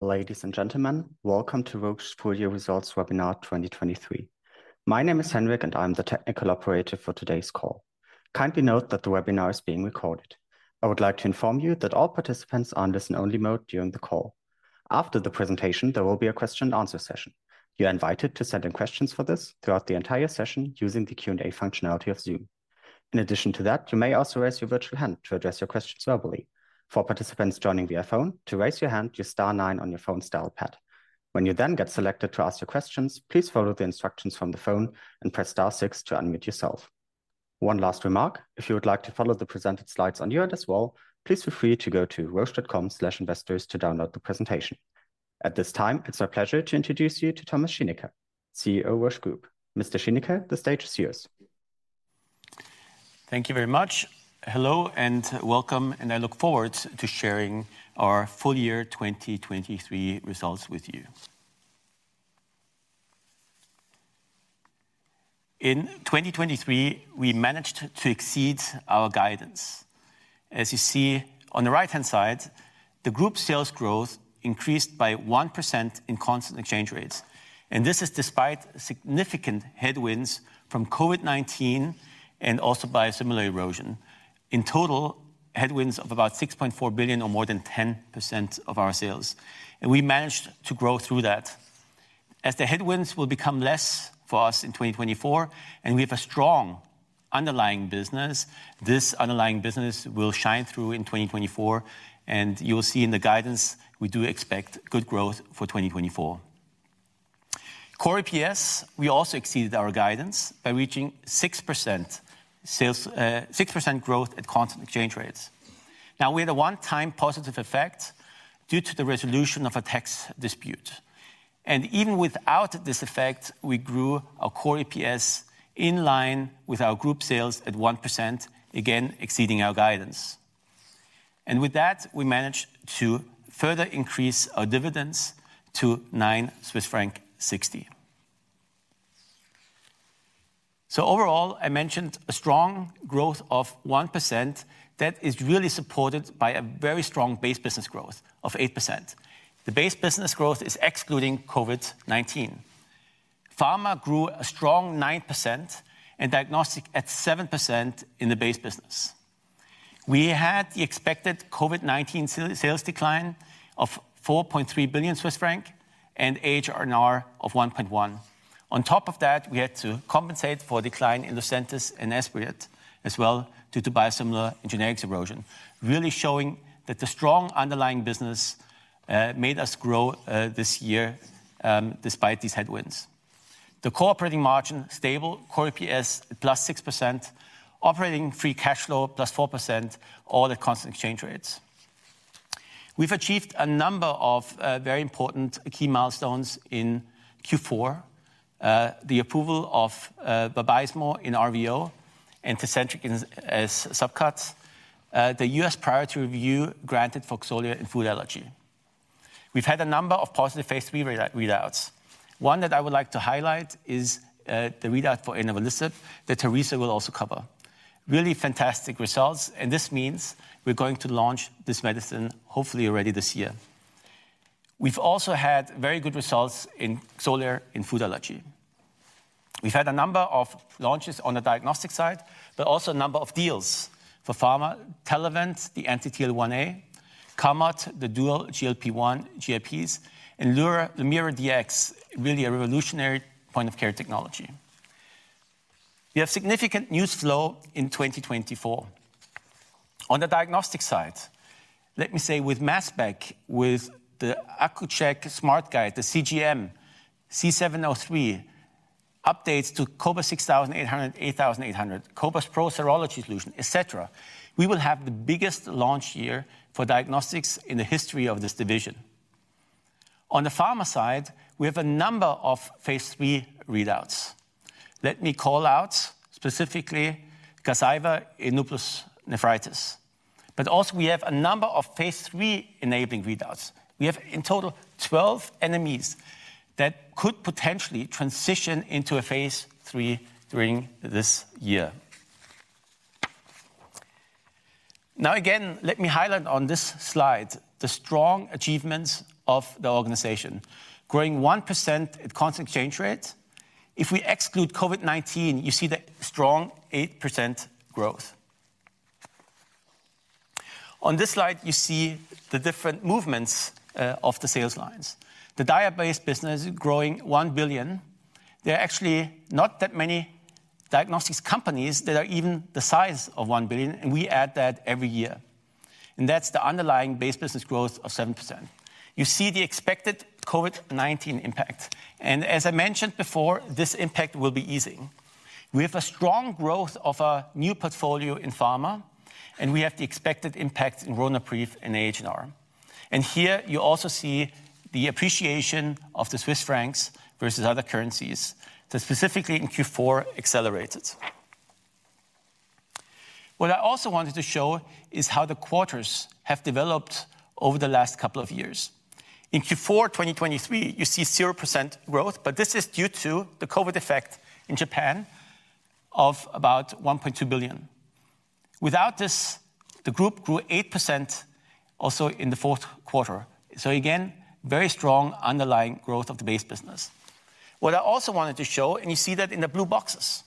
Ladies and gentlemen, welcome to Roche's Full Year Results Webinar 2023. My name is Henrik, and I'm the technical operator for today's call. Kindly note that the webinar is being recorded. I would like to inform you that all participants are on listen-only mode during the call. After the presentation, there will be a question-and-answer session. You're invited to send in questions for this throughout the entire session using the Q&A functionality of Zoom. In addition to that, you may also raise your virtual hand to address your questions verbally. For participants joining via phone, to raise your hand, use star nine on your phone's dial pad. When you then get selected to ask your questions, please follow the instructions from the phone and press star six to unmute yourself. One last remark, if you would like to follow the presented slides on your end as well, please feel free to go to roche.com/investors to download the presentation. At this time, it's my pleasure to introduce you to Thomas Schinecker, CEO, Roche Group. Mr. Schinecker, the stage is yours. Thank you very much. Hello, and welcome, and I look forward to sharing our full year 2023 results with you. In 2023, we managed to exceed our guidance. As you see on the right-hand side, the group sales growth increased by 1% in constant exchange rates, and this is despite significant headwinds from COVID-19 and also biosimilar erosion. In total, headwinds of about 6.4 billion, or more than 10% of our sales, and we managed to grow through that. As the headwinds will become less for us in 2024, and we have a strong underlying business, this underlying business will shine through in 2024, and you will see in the guidance, we do expect good growth for 2024. Core EPS, we also exceeded our guidance by reaching 6% growth at constant exchange rates. Now, we had a one-time positive effect due to the resolution of a tax dispute, and even without this effect, we grew our core EPS in line with our group sales at 1%, again, exceeding our guidance. And with that, we managed to further increase our dividends to 9.60 Swiss franc. So overall, I mentioned a strong growth of 1% that is really supported by a very strong base business growth of 8%. The base business growth is excluding COVID-19. Pharma grew a strong 9% and Diagnostics at 7% in the base business. We had the expected COVID-19 sales decline of 4.3 billion Swiss franc and AH&R of 1.1 billion. On top of that, we had to compensate for a decline in Lucentis and Esbriet as well, due to biosimilar and generics erosion, really showing that the strong underlying business made us grow this year despite these headwinds. The core operating margin, stable. Core EPS, +6%. Operating free cash flow, +4%, all at constant exchange rates. We've achieved a number of very important key milestones in Q4. The approval of Vabysmo in RVO, and Tecentriq as subcuts. The U.S. priority review granted for Xolair in food allergy. We've had a number of positive phase III readouts. One that I would like to highlight is the readout for inavolisib, that Teresa will also cover. Really fantastic results, and this means we're going to launch this medicine hopefully already this year. We've also had very good results in Xolair in food allergy. We've had a number of launches on the diagnostic side, but also a number of deals for pharma: Telavant, the anti-TL1A; Carmot, the dual GLP-1/GIP; and LumiraDx, really a revolutionary point-of-care technology. We have significant news flow in 2024. On the diagnostic side, let me say with Mass Spec, with the Accu-Chek SmartGuide, the CGM, C703, updates to cobas 6800, 8800, cobas Pro Serology solution, etc., we will have the biggest launch year for diagnostics in the history of this division. On the pharma side, we have a number of phase III readouts. Let me call out specifically Gazyva in lupus nephritis. But also, we have a number of phase III enabling readouts. We have in total 12 NMEs that could potentially transition into a phase III during this year. Now, again, let me highlight on this slide the strong achievements of the organization, growing 1% at constant exchange rates. If we exclude COVID-19, you see the strong 8% growth. On this slide, you see the different movements of the sales lines. The diagnostics-based business growing 1 billion. There are actually not that many diagnostics companies that are even the size of 1 billion, and we add that every year, and that's the underlying base business growth of 7%. You see the expected COVID-19 impact, and as I mentioned before, this impact will be easing. We have a strong growth of our new portfolio in pharma, and we have the expected impact in Ronapreve and AH&R. Here, you also see the appreciation of the Swiss franc versus other currencies, that specifically in Q4 accelerated. What I also wanted to show is how the quarters have developed over the last couple of years. In Q4 2023, you see 0% growth, but this is due to the COVID effect in Japan of about 1.2 billion. Without this, the group grew 8% also in the fourth quarter. So again, very strong underlying growth of the base business. What I also wanted to show, and you see that in the blue boxes,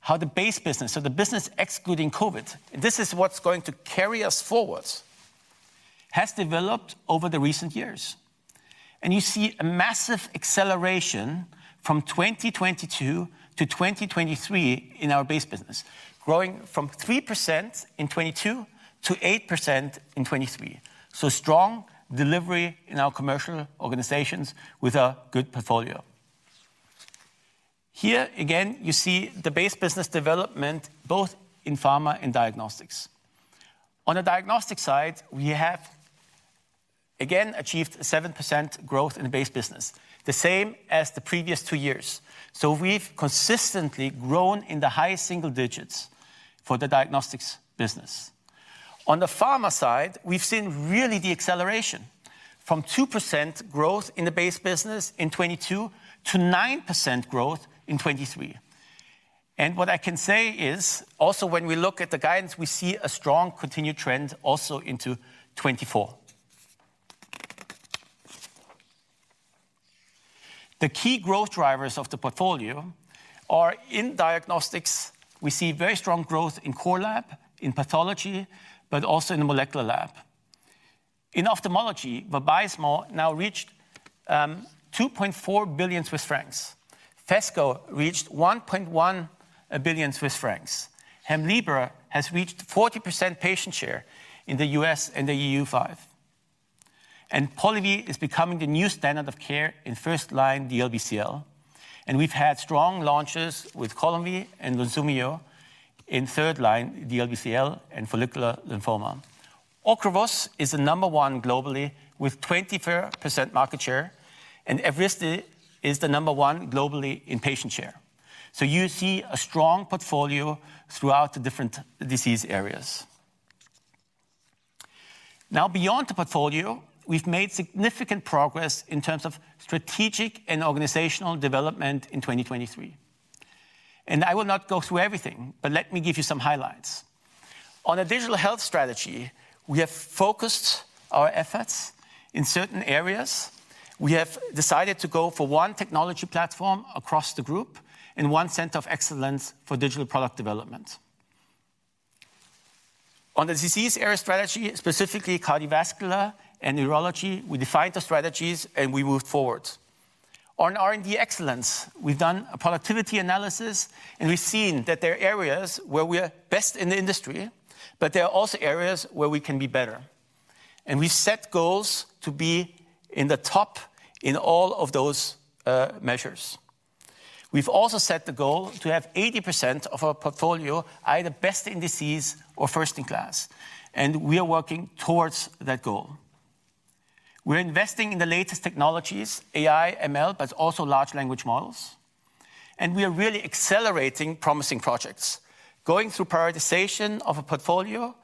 how the base business, so the business excluding COVID, this is what's going to carry us forward, has developed over the recent years. You see a massive acceleration from 2022 to 2023 in our base business, growing from 3% in 2022 to 8% in 2023. So strong delivery in our commercial organizations with a good portfolio. Here, again, you see the base business development both in pharma and diagnostics. On the diagnostic side, we have again achieved a 7% growth in the base business, the same as the previous two years. So we've consistently grown in the high single digits for the diagnostics business. On the pharma side, we've seen really the acceleration from 2% growth in the base business in 2022 to 9% growth in 2023. And what I can say is, also when we look at the guidance, we see a strong continued trend also into 2024. The key growth drivers of the portfolio are in diagnostics. We see very strong growth in core lab, in pathology, but also in the molecular lab. In ophthalmology, Vabysmo now reached 2.4 billion Swiss francs. Phesgo reached 1.1 billion Swiss francs. Hemlibra has reached 40% patient share in the U.S. and the EU5. Polivy is becoming the new standard of care in first-line DLBCL, and we've had strong launches with Polivy and Lunsumio in third-line DLBCL and follicular lymphoma. Ocrevus is the number one globally with 24% market share, and Evrysdi is the number one globally in patient share. So you see a strong portfolio throughout the different disease areas. Now, beyond the portfolio, we've made significant progress in terms of strategic and organizational development in 2023. I will not go through everything, but let me give you some highlights. On the digital health strategy, we have focused our efforts in certain areas. We have decided to go for one technology platform across the group and one center of excellence for digital product development. On the disease area strategy, specifically cardiovascular and neurology, we defined the strategies, and we moved forward. On R&D excellence, we've done a productivity analysis, and we've seen that there are areas where we are best in the industry, but there are also areas where we can be better. We set goals to be in the top in all of those measures. We've also set the goal to have 80% of our portfolio either best in disease or first in class, and we are working towards that goal. We're investing in the latest technologies, AI, ML, but also large language models. We are really accelerating promising projects, going through prioritization of a portfolio,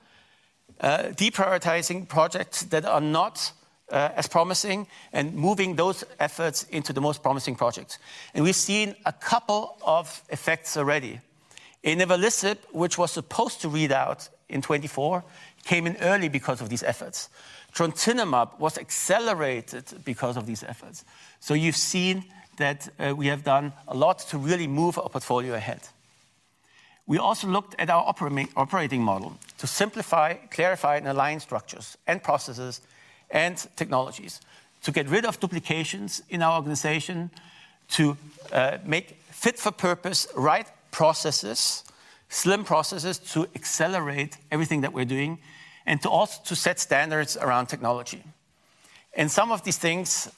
deprioritizing projects that are not as promising, and moving those efforts into the most promising projects. We've seen a couple of effects already. inavolisib, which was supposed to read out in 2024, came in early because of these efforts. Trontinemab was accelerated because of these efforts. So you've seen that we have done a lot to really move our portfolio ahead. We also looked at our operating model to simplify, clarify, and align structures and processes and technologies to get rid of duplications in our organization, to make fit for purpose, right processes, slim processes, to accelerate everything that we're doing, and to also to set standards around technology. And some of these things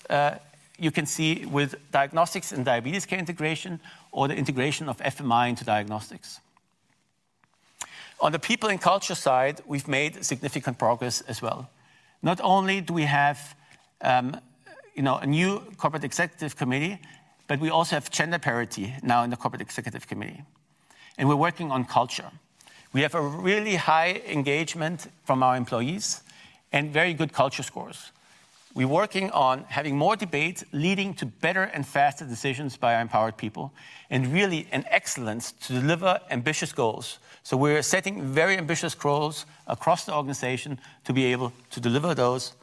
you can see with diagnostics and diabetes care integration or the integration of FMI into diagnostics. On the people and culture side, we've made significant progress as well. Not only do we have, you know, a new corporate executive committee, but we also have gender parity now in the corporate executive committee, and we're working on culture. We have a really high engagement from our employees and very good culture scores. We're working on having more debates, leading to better and faster decisions by our empowered people, and really an excellence to deliver ambitious goals. So we're setting very ambitious goals across the organization to be able to deliver those.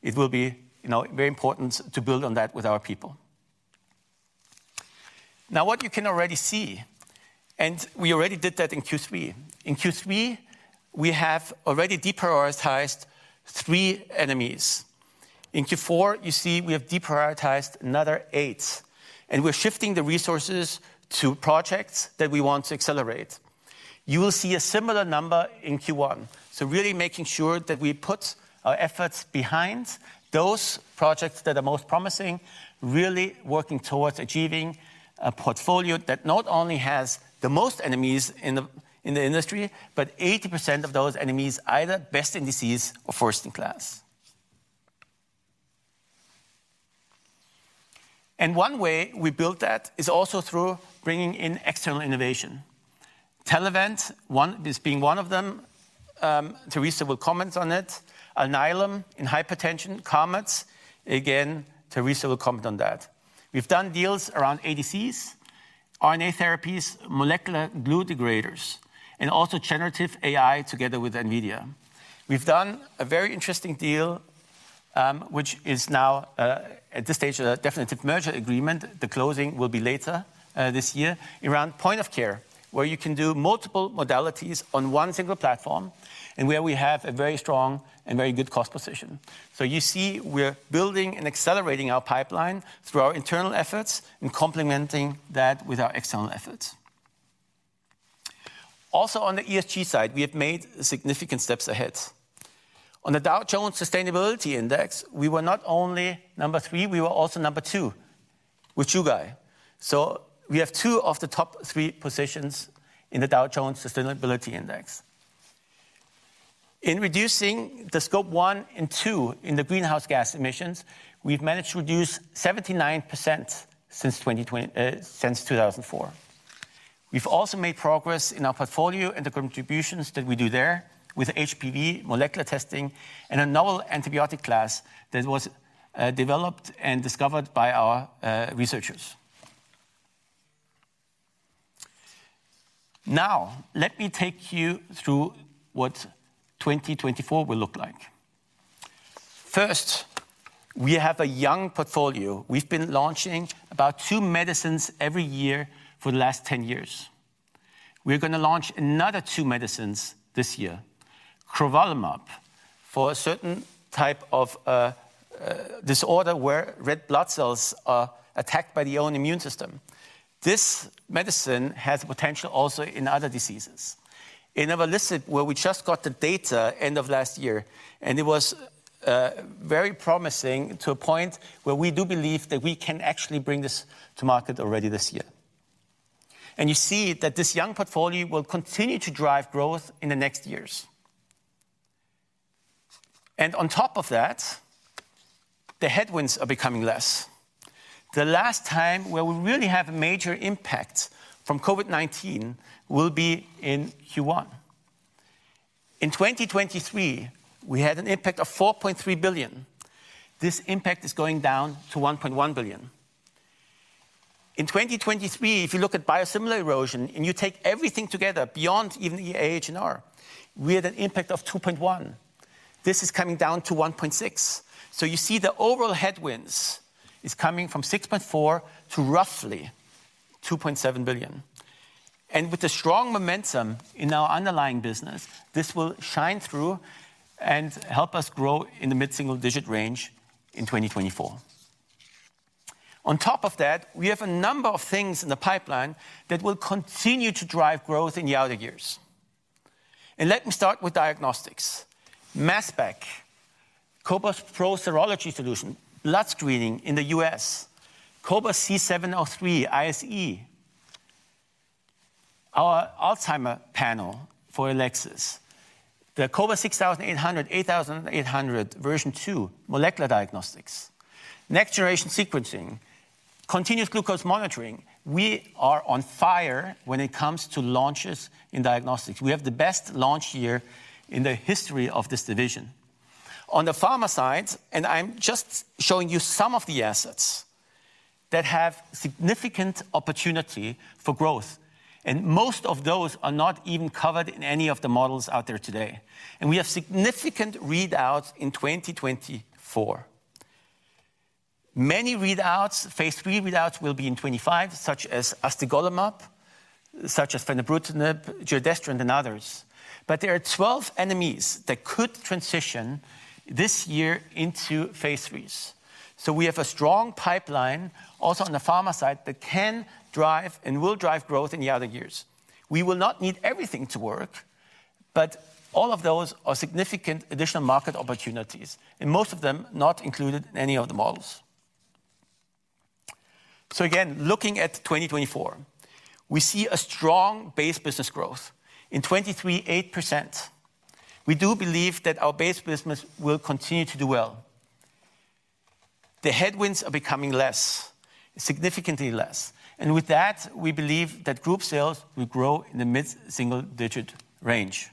It will be, you know, very important to build on that with our people. Now, what you can already see, and we already did that in Q3. In Q3, we have already deprioritized three NMEs. In Q4, you see we have deprioritized another eight, and we're shifting the resources to projects that we want to accelerate. You will see a similar number in Q1. So really making sure that we put our efforts behind those projects that are most promising, really working towards achieving a portfolio that not only has the most NMEs in the, in the industry, but 80% of those NMEs, either best in disease or first in class. One way we built that is also through bringing in external innovation. Telavant, one, is being one of them? Teresa will comment on it. Alnylam in hypertension, Carmot, again, Teresa will comment on that. We've done deals around ADCs, RNA therapies, molecular glue degraders, and also generative AI together with NVIDIA. We've done a very interesting deal, which is now, at this stage, a definitive merger agreement. The closing will be later, this year, around point of care, where you can do multiple modalities on one single platform, and where we have a very strong and very good cost position. So you see, we're building and accelerating our pipeline through our internal efforts and complementing that with our external efforts. Also, on the ESG side, we have made significant steps ahead. On the Dow Jones Sustainability Index, we were not only number three, we were also number two with Chugai. So we have two of the top three positions in the Dow Jones Sustainability Index. In reducing the Scope 1 and 2 in the greenhouse gas emissions, we've managed to reduce 79% since 2020, since 2004. We've also made progress in our portfolio and the contributions that we do there with HPV molecular testing and a novel antibiotic class that was developed and discovered by our researchers. Now, let me take you through what 2024 will look like. First, we have a young portfolio. We've been launching about two medicines every year for the last 10 years. We're going to launch another two medicines this year: crovalimab, for a certain type of disorder where red blood cells are attacked by the own immune system. This medicine has potential also in other diseases. Inavolisib, where we just got the data end of last year, and it was very promising to a point where we do believe that we can actually bring this to market already this year. You see that this young portfolio will continue to drive growth in the next years. On top of that, the headwinds are becoming less. The last time where we really have a major impact from COVID-19 will be in Q1. In 2023, we had an impact of 4.3 billion. This impact is going down to 1.1 billion. In 2023, if you look at biosimilar erosion, and you take everything together beyond even the AHR, we had an impact of 2.1. This is coming down to 1.6. So you see the overall headwinds is coming from 6.4 billion to roughly 2.7 billion. And with the strong momentum in our underlying business, this will shine through and help us grow in the mid-single-digit range in 2024. On top of that, we have a number of things in the pipeline that will continue to drive growth in the outer years. And let me start with diagnostics. Mass Spec, cobas Pro Serology solution, blood screening in the U.S., cobas c 703 ISE, our Alzheimer's panel for Elecsys, the cobas 6800, 8800 version two, molecular diagnostics, next-generation sequencing, continuous glucose monitoring. We are on fire when it comes to launches in diagnostics. We have the best launch year in the history of this division. On the pharma side, and I'm just showing you some of the assets that have significant opportunity for growth, and most of those are not even covered in any of the models out there today. And we have significant readouts in 2024. Many readouts, phase III readouts, will be in 2025, such as astegolimab, such as fenebrutinib, giredestrant, and others. But there are 12 NMEs that could transition this year into phase IIIs. So we have a strong pipeline, also on the pharma side, that can drive and will drive growth in the other years. We will not need everything to work, but all of those are significant additional market opportunities, and most of them not included in any of the models. So again, looking at 2024, we see a strong base business growth. In 2023, 8%. We do believe that our base business will continue to do well. The headwinds are becoming less, significantly less, and with that, we believe that group sales will grow in the mid-single-digit range.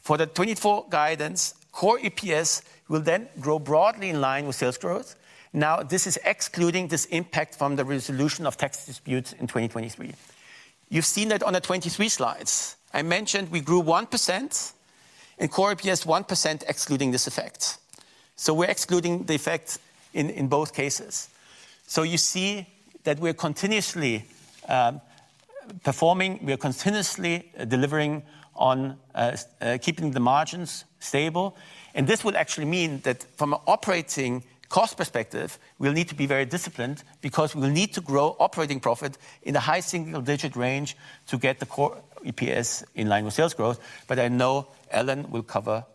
For the 2024 guidance, core EPS will then grow broadly in line with sales growth. Now, this is excluding this impact from the resolution of tax disputes in 2023. You've seen that on the 2023 slides. I mentioned we grew 1% and core EPS 1%, excluding this effect. So we're excluding the effect in both cases. So you see that we are continuously delivering on keeping the margins stable. And this would actually mean that from an operating cost perspective, we'll need to be very disciplined because we'll need to grow operating profit in a high single-digit range to get the core EPS in line with sales growth, but I know Alan will cover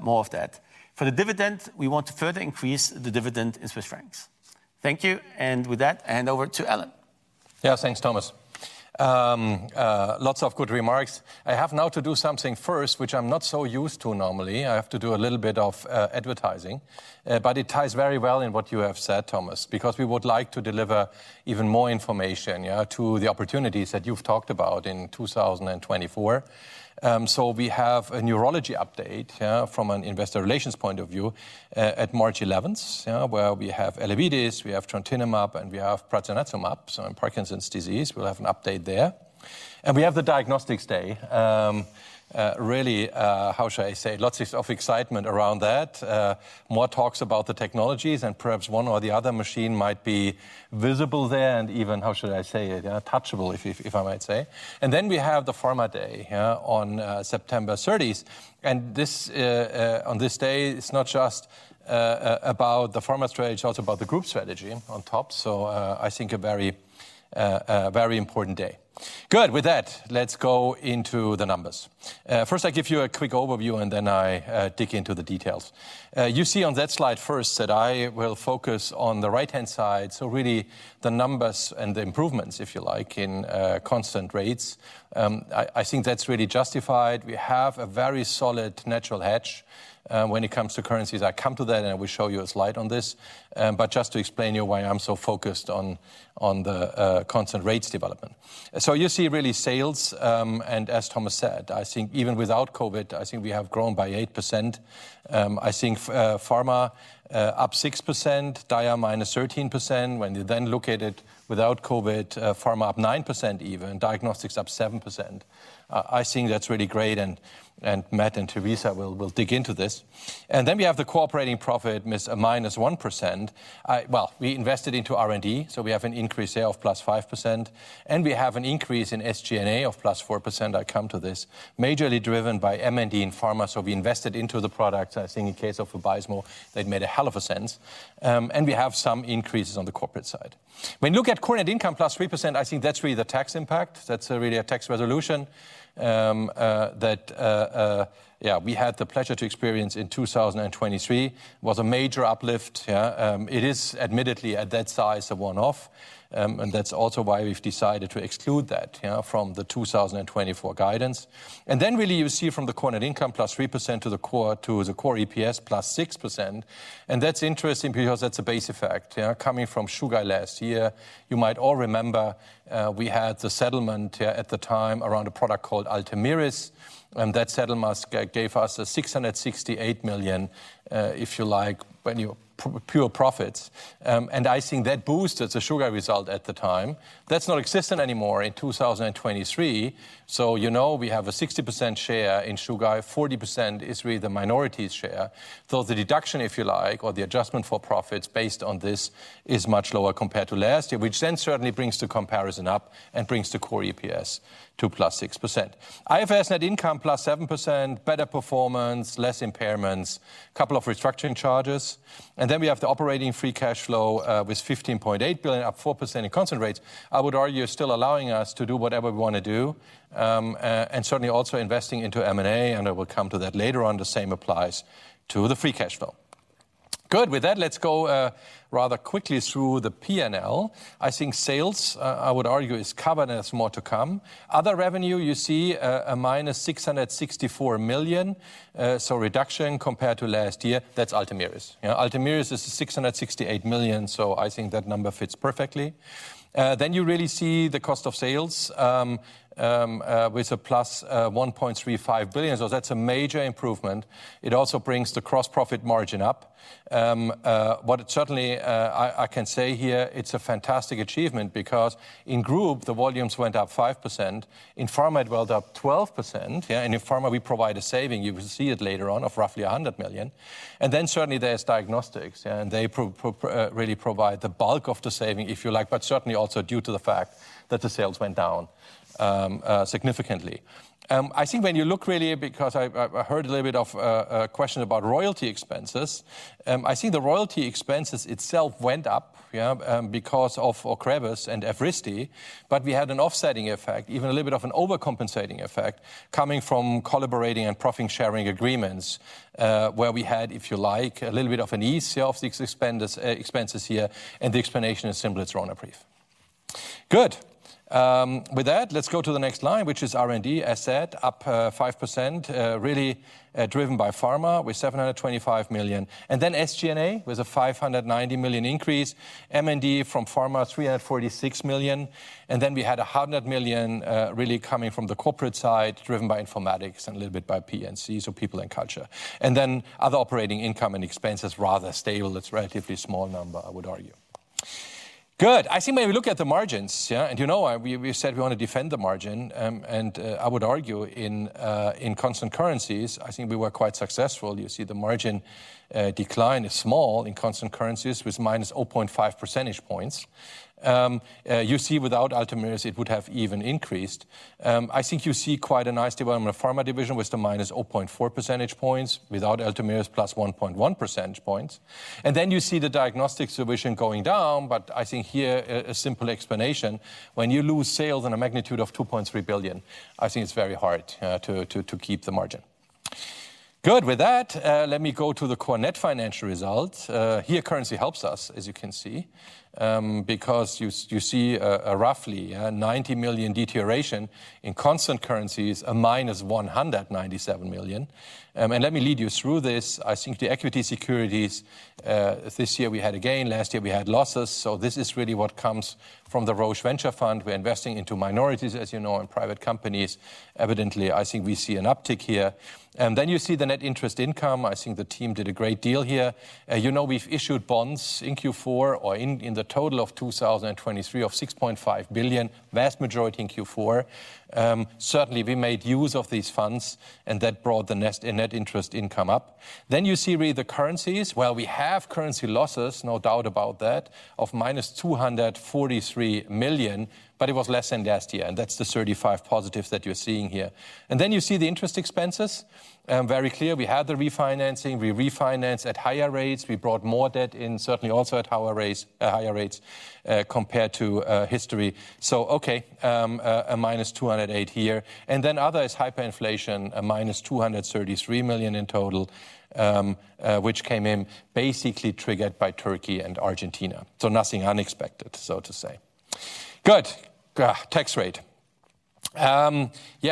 more of that. For the dividend, we want to further increase the dividend in Swiss francs. Thank you, and with that, I hand over to Alan. Yeah, thanks, Thomas. Lots of good remarks. I have now to do something first, which I'm not so used to normally. I have to do a little bit of advertising, but it ties very well in what you have said, Thomas, because we would like to deliver even more information, yeah, to the opportunities that you've talked about in 2024. So we have a neurology update, yeah, from an investor relations point of view, at March 11th, yeah, where we have Elevidys, we have trontinemab, and we have prasinezumab. So in Parkinson's disease, we'll have an update there. And we have the diagnostics day. Really, how should I say? Lots of excitement around that. More talks about the technologies, and perhaps one or the other machine might be visible there, and even, how should I say it? Yeah, touchable, if I might say. Then we have the Pharma Day, yeah, on September 30th. And this, on this day, it's not just about the pharma strategy, it's also about the group strategy on top. So, I think a very, very important day. Good! With that, let's go into the numbers. First, I give you a quick overview, and then I dig into the details. You see on that slide first that I will focus on the right-hand side, so really the numbers and the improvements, if you like, in constant rates. I think that's really justified. We have a very solid natural hedge when it comes to currencies. I come to that, and I will show you a slide on this. But just to explain you why I'm so focused on the constant rates development. So you see really sales, and as Thomas said, I think even without COVID, I think we have grown by 8%. I think pharma up 6%, dia -13%. When you then look at it without COVID, pharma up 9% even, diagnostics up 7%. I think that's really great, and Matt and Teresa will dig into this. And then we have the core operating profit -1%. Well, we invested into R&D, so we have an increase there of +5%, and we have an increase in SG&A of +4%. I come to this. Majorly driven by M&D and pharma, so we invested into the product. I think in case of Vabysmo, they'd made a hell of a sense. And we have some increases on the corporate side. When you look at core net income, plus 3%, I think that's really the tax impact. That's really a tax resolution, that yeah, we had the pleasure to experience in 2023. Was a major uplift, yeah. It is admittedly, at that size, a one-off, and that's also why we've decided to exclude that, you know, from the 2024 guidance. And then really, you see from the core net income, plus 3% to the core, to the core EPS, plus 6%, and that's interesting because that's a base effect, yeah? Coming from Chugai last year, you might all remember, we had the settlement, yeah, at the time around a product called Ultomiris, and that settlement gave us 668 million, if you like, pure profits. And I think that boosted the Chugai result at the time. That's not existent anymore in 2023, so you know we have a 60% share in Chugai. 40% is really the minority's share, though the deduction, if you like, or the adjustment for profits based on this, is much lower compared to last year, which then certainly brings the comparison up and brings the core EPS to +6%. IFRS net income +7%, better performance, less impairments, couple of restructuring charges, and then we have the operating free cash flow with 15.8 billion, up 4% in constant rates. I would argue, still allowing us to do whatever we want to do, and certainly also investing into M&A, and I will come to that later on. The same applies to the free cash flow. Good! With that, let's go rather quickly through the PNL. I think sales, I would argue, is covered, and there's more to come. Other revenue, you see, a -664 million, so reduction compared to last year. That's Ultomiris. You know, Ultomiris is 668 million, so I think that number fits perfectly. Then you really see the cost of sales with a plus 1.35 billion, so that's a major improvement. It also brings the gross-profit margin up. What certainly I can say here, it's a fantastic achievement because in group, the volumes went up 5%. In pharma, it went up 12%, yeah, and in pharma, we provide a saving, you will see it later on, of roughly 100 million. And then certainly, there's diagnostics, yeah, and they really provide the bulk of the saving, if you like, but certainly also due to the fact that the sales went down significantly. I think when you look, really, because I've heard a little bit of a question about royalty expenses, I see the royalty expenses itself went up, yeah, because of Ocrevus and Evrysdi, but we had an offsetting effect, even a little bit of an overcompensating effect, coming from collaborating and profit-sharing agreements, where we had, if you like, a little bit of an ease of the expenditures. expenses here, and the explanation is simply it's Ronapreve. Good. With that, let's go to the next line, which is R&D, as said, up 5%, really, driven by pharma, with 725 million. Then SG&A with a 590 million increase, M&D from pharma, 346 million, and then we had a 100 million, really coming from the corporate side, driven by informatics and a little bit by P&C, so people and culture. And then other operating income and expenses, rather stable. It's a relatively small number, I would argue. Good. I think when we look at the margins, yeah, and you know, we, we said we want to defend the margin, and, I would argue in, in constant currencies, I think we were quite successful. You see the margin, decline is small in constant currencies, with minus 0.5 percentage points. You see without Ultomiris, it would have even increased. I think you see quite a nice development of pharma division with the -0.4 percentage points. Without Ultomiris, +1.1 percentage points. And then you see the diagnostics division going down, but I think here, a simple explanation: when you lose sales in a magnitude of 2.3 billion, I think it's very hard to keep the margin. Good. With that, let me go to the core net financial results. Here currency helps us, as you can see, because you see a roughly, yeah, 90 million deterioration. In constant currencies, a -197 million. And let me lead you through this. I think the equity securities, this year we had a gain, last year we had losses, so this is really what comes from the Roche Venture Fund. We're investing into minorities, as you know, and private companies. Evidently, I think we see an uptick here. And then you see the net interest income. I think the team did a great deal here. You know, we've issued bonds in Q4 or in, in the total of 2023 of 6.5 billion, vast majority in Q4. Certainly, we made use of these funds, and that brought the net interest income up. Then you see really the currencies. Well, we have currency losses, no doubt about that, of -243 million, but it was less than last year, and that's the 35 positives that you're seeing here. And then you see the interest expenses. Very clear, we had the refinancing. We refinanced at higher rates. We brought more debt in, certainly also at higher rates, higher rates, compared to history. So, okay, a minus 208 here. And then other is hyperinflation, a minus 233 million in total, which came in basically triggered by Turkey and Argentina, so nothing unexpected, so to say. Good. Tax rate. Yeah,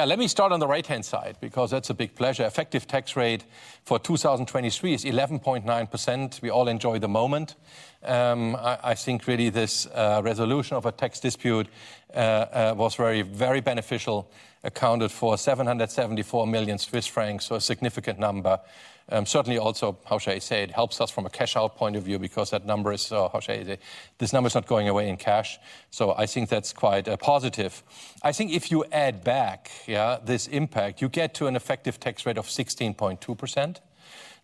let me start on the right-hand side because that's a big pleasure. Effective tax rate for 2023 is 11.9%. We all enjoy the moment. I think really this resolution of a tax dispute was very, very beneficial, accounted for 774 million Swiss francs, so a significant number. Certainly also, it helps us from a cash-out point of view because that number is, this number is not going away in cash, so I think that's quite a positive. I think if you add back, yeah, this impact, you get to an effective tax rate of 16.2%.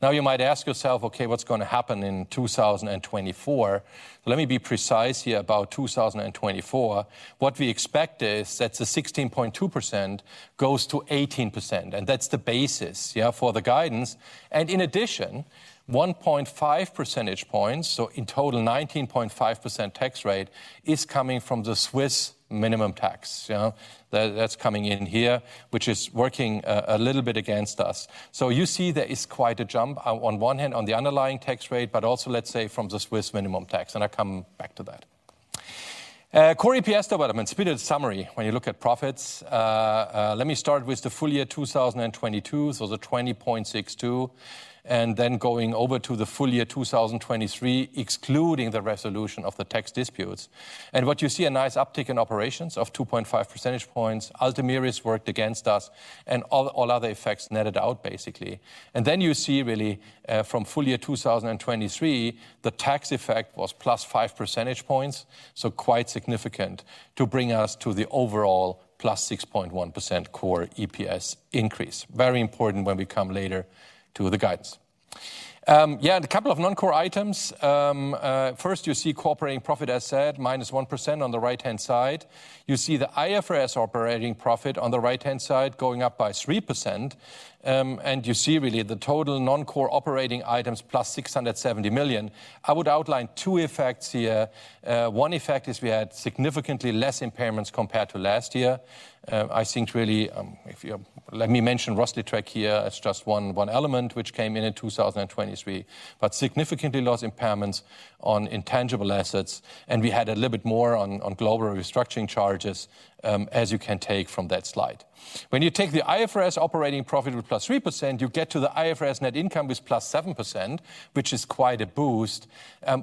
Now, you might ask yourself: "Okay, what's going to happen in 2024?" Let me be precise here about 2024. What we expect is that the 16.2% goes to 18%, and that's the basis, yeah, for the guidance. And in addition, 1.5 percentage points, so in total, 19.5% tax rate is coming from the Swiss minimum tax. You know, that, that's coming in here, which is working, a little bit against us. So you see there is quite a jump on, on one hand, on the underlying tax rate, but also, let's say, from the Swiss minimum tax, and I come back to that. Core EPS development, speedy summary when you look at profits. Let me start with the full year 2022, so the 20.62, and then going over to the full year 2023, excluding the resolution of the tax disputes. And what you see, a nice uptick in operations of 2.5 percentage points. Ultomiris worked against us, and all, all other effects netted out, basically. And then you see, really, from full year 2023, the tax effect was +5 percentage points, so quite significant to bring us to the overall +6.1% Core EPS increase. Very important when we come later to the guidance. Yeah, and a couple of non-core items. First, you see core operating profit, as said, -1% on the right-hand side. You see the IFRS operating profit on the right-hand side going up by 3%, and you see really the total non-core operating items, +670 million. I would outline two effects here. One effect is we had significantly less impairments compared to last year. I think really, if you let me mention Rozlytrek here as just one element which came in in 2023, but significantly less impairments on intangible assets, and we had a little bit more on global restructuring charges, as you can take from that slide. When you take the IFRS operating profit with +3%, you get to the IFRS net income, with +7%, which is quite a boost.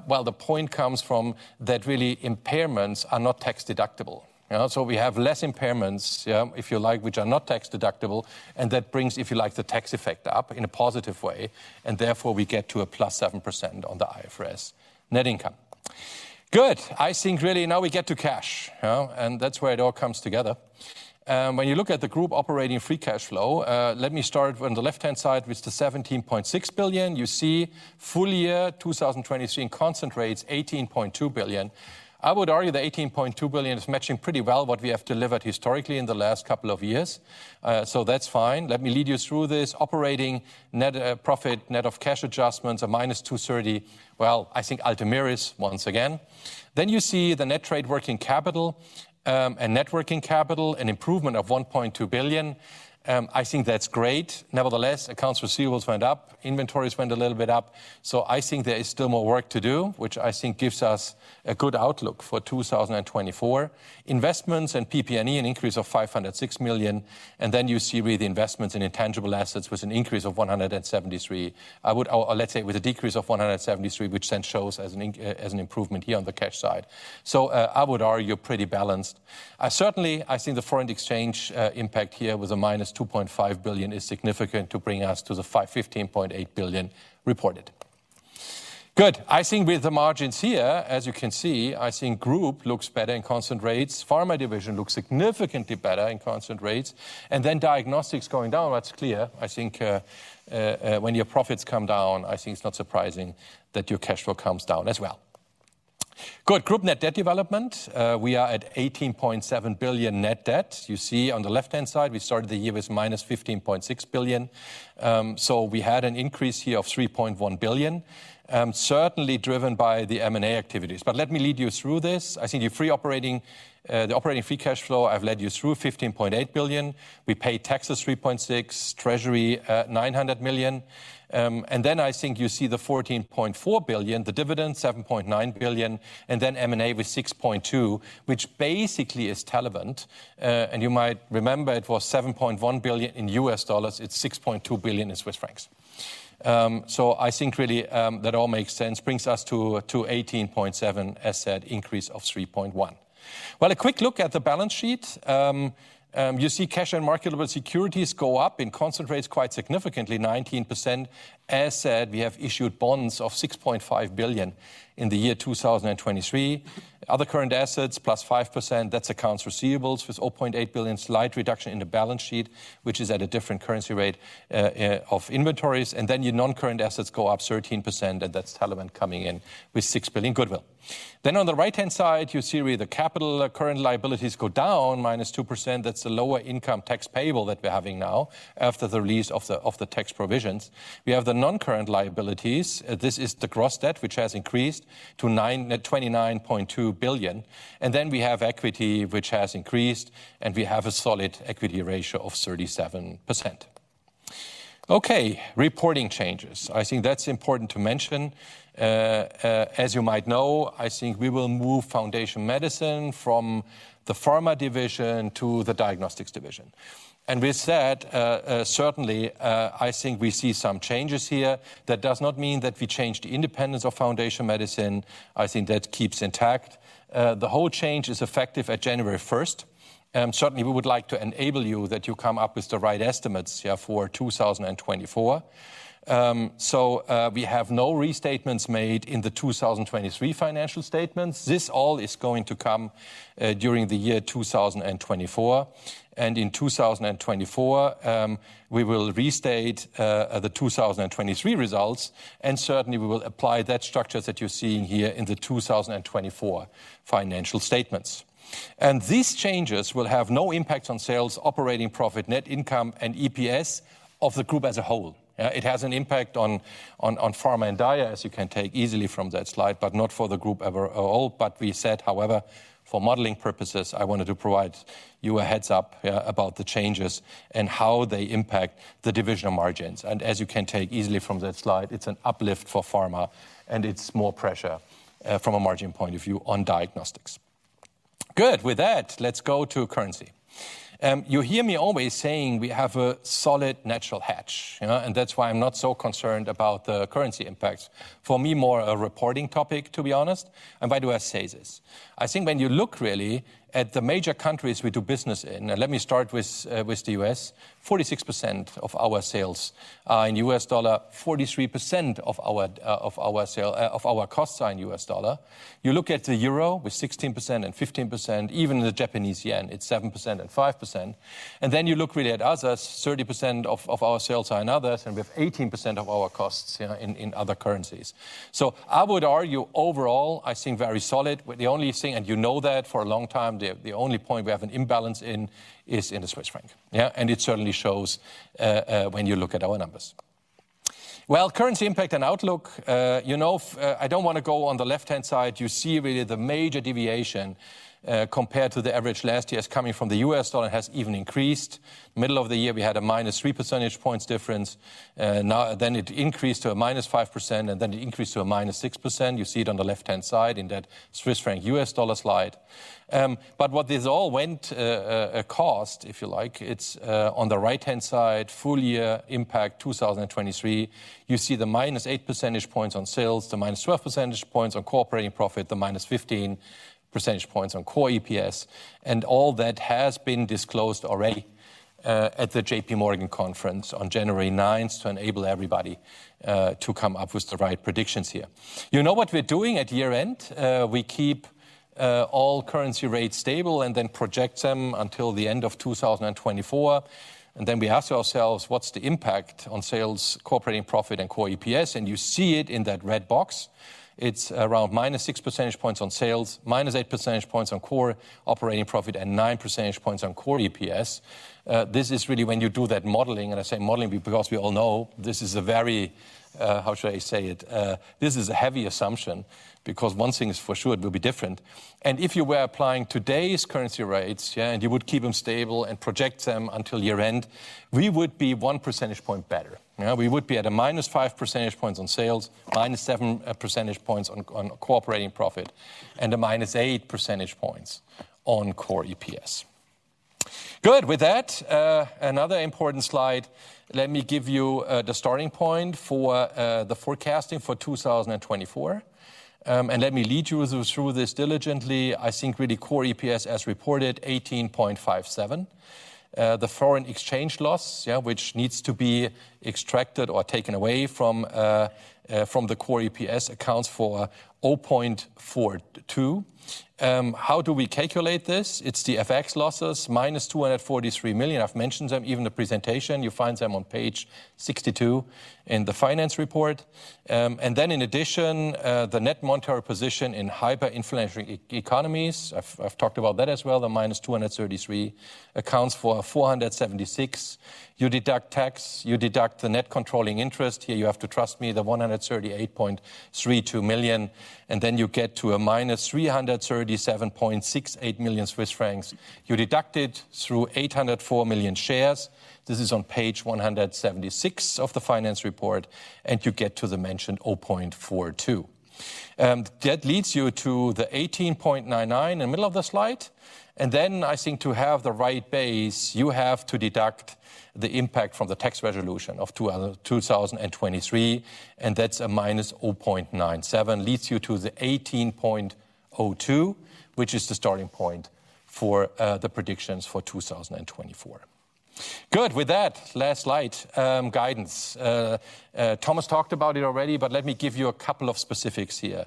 Well, the point comes from that really impairments are not tax-deductible. You know, so we have less impairments, yeah, if you like, which are not tax-deductible, and that brings, if you like, the tax effect up in a positive way, and therefore, we get to a +7% on the IFRS net income. Good. I think really now we get to cash, you know, and that's where it all comes together. When you look at the group operating free cash flow, let me start on the left-hand side with the 17.6 billion. You see full year 2023 in constant rates, 18.2 billion. I would argue that 18.2 billion is matching pretty well what we have delivered historically in the last couple of years. So that's fine. Let me lead you through this. Operating net profit, net of cash adjustments, a minus 230. Well, I think Ultomiris once again. Then you see the net trade working capital, and net working capital, an improvement of 1.2 billion. I think that's great. Nevertheless, accounts receivables went up, inventories went a little bit up, so I think there is still more work to do, which I think gives us a good outlook for 2024. Investments and PP&E, an increase of 506 million, and then you see with the investments in intangible assets with an increase of 173. I would. Or, let's say with a decrease of 173, which then shows as an improvement here on the cash side. So, I would argue pretty balanced. Certainly, I think the foreign exchange impact here with a -2.5 billion is significant to bring us to the 15.8 billion reported. Good. I think with the margins here, as you can see, I think group looks better in constant rates, pharma division looks significantly better in constant rates, and then diagnostics going down, that's clear. I think when your profits come down, I think it's not surprising that your cash flow comes down as well. Good. Group net debt development, we are at 18.7 billion net debt. You see on the left-hand side, we started the year with -15.6 billion. So we had an increase here of 3.1 billion, certainly driven by the M&A activities. But let me lead you through this. I think your free operating, the operating free cash flow, I've led you through 15.8 billion. We paid taxes 3.6 billion, treasury, 900 million. And then I think you see the 14.4 billion, the dividend, 7.9 billion, and then M&A with 6.2 billion, which basically is Telavant. And you might remember it was $7.1 billion in U.S. dollars, it's 6.2 billion in Swiss francs. So I think really, that all makes sense, brings us to 18.7 billion, as said, increase of 3.1 billion. Well, a quick look at the balance sheet. You see cash and marketable securities go up in constant rates quite significantly, 19%. As said, we have issued bonds of 6.5 billion in the year 2023. Other current assets, +5%, that's accounts receivables with 0.8 billion, slight reduction in the balance sheet, which is at a different currency rate, of inventories. And then your non-current assets go up 13%, and that's Telavant coming in with 6 billion goodwill. Then on the right-hand side, you see where the current liabilities go down, -2%. That's the lower income tax payable that we're having now, after the release of the, of the tax provisions. We have the non-current liabilities. This is the gross debt, which has increased to 29.2 billion. Then we have equity, which has increased, and we have a solid equity ratio of 37%. Okay, reporting changes. I think that's important to mention. As you might know, I think we will move Foundation Medicine from the pharma division to the diagnostics division. And with that, certainly, I think we see some changes here. That does not mean that we change the independence of Foundation Medicine. I think that keeps intact. The whole change is effective at January first, and certainly, we would like to enable you that you come up with the right estimates, yeah, for 2024. So, we have no restatements made in the 2023 financial statements. This all is going to come during the year 2024. In 2024, we will restate the 2023 results, and certainly, we will apply that structure that you're seeing here in the 2024 financial statements. These changes will have no impact on sales, operating profit, net income, and EPS of the group as a whole. It has an impact on pharma and dia, as you can take easily from that slide, but not for the group ever at all. But we said, however, for modeling purposes, I wanted to provide you a heads-up, yeah, about the changes and how they impact the divisional margins. As you can take easily from that slide, it's an uplift for pharma, and it's more pressure from a margin point of view on diagnostics. Good. With that, let's go to currency. You hear me always saying we have a solid natural hedge, you know, and that's why I'm not so concerned about the currency impacts. For me, more a reporting topic, to be honest. And why do I say this? I think when you look really at the major countries we do business in, and let me start with the U.S., 46% of our sales are in U.S. dollar, 43% of our costs are in U.S. dollar. You look at the euro with 16% and 15%, even the Japanese yen, it's 7% and 5%. And then you look really at others, 30% of our sales are in others, and we have 18% of our costs, yeah, in other currencies. So I would argue, overall, I think very solid. With the only thing, and you know that for a long time, the only point we have an imbalance in is in the Swiss franc. Yeah, and it certainly shows when you look at our numbers. Well, currency impact and outlook, you know, I don't wanna go on the left-hand side. You see really the major deviation compared to the average last year's coming from the U.S. dollar has even increased. Middle of the year, we had a minus 3 percentage points difference, now then it increased to a minus 5%, and then it increased to a minus 6%. You see it on the left-hand side in that Swiss franc, U.S. dollar slide. But what this all went cost, if you like, it's on the right-hand side, full year impact 2023. You see the -8 percentage points on sales, the -12 percentage points on core operating profit, the -15 percentage points on core EPS, and all that has been disclosed already at the J.P. Morgan conference on January nine, to enable everybody to come up with the right predictions here. You know what we're doing at year-end? We keep all currency rates stable and then project them until the end of 2024, and then we ask ourselves, "What's the impact on sales, core operating profit, and core EPS?" And you see it in that red box. It's around -6 percentage points on sales, -8 percentage points on core operating profit, and -9 percentage points on core EPS. This is really when you do that modeling, and I say modeling because we all know this is a very. How should I say it? This is a heavy assumption, because one thing is for sure, it will be different. And if you were applying today's currency rates, and you would keep them stable and project them until year-end, we would be 1 percentage point better. We would be at -5 percentage points on sales, -7 percentage points on core operating profit, and -8 percentage points on core EPS. Good! With that, another important slide. Let me give you the starting point for the forecasting for 2024, and let me lead you through this diligently. I think really core EPS as reported, 18.57. The foreign exchange loss, which needs to be extracted or taken away from the core EPS, accounts for 0.42. How do we calculate this? It's the FX losses, -243 million. I've mentioned them, in the presentation, you find them on page 62 in the finance report. And then in addition, the net monetary position in hyperinflationary economies, I've talked about that as well, the -233 million accounts for 476 million. You deduct tax, you deduct the non-controlling interest. Here, you have to trust me, the 138.32 million, and then you get to a -337.68 million Swiss francs. You deduct it through 804 million shares. This is on page 176 of the finance report, and you get to the mentioned 0.42. That leads you to the 18.99 in the middle of the slide, and then I think to have the right base, you have to deduct the impact from the tax resolution of 2023, and that's a -0.97, leads you to the 18.02, which is the starting point for the predictions for 2024. Good. With that, last slide, guidance. Thomas talked about it already, but let me give you a couple of specifics here.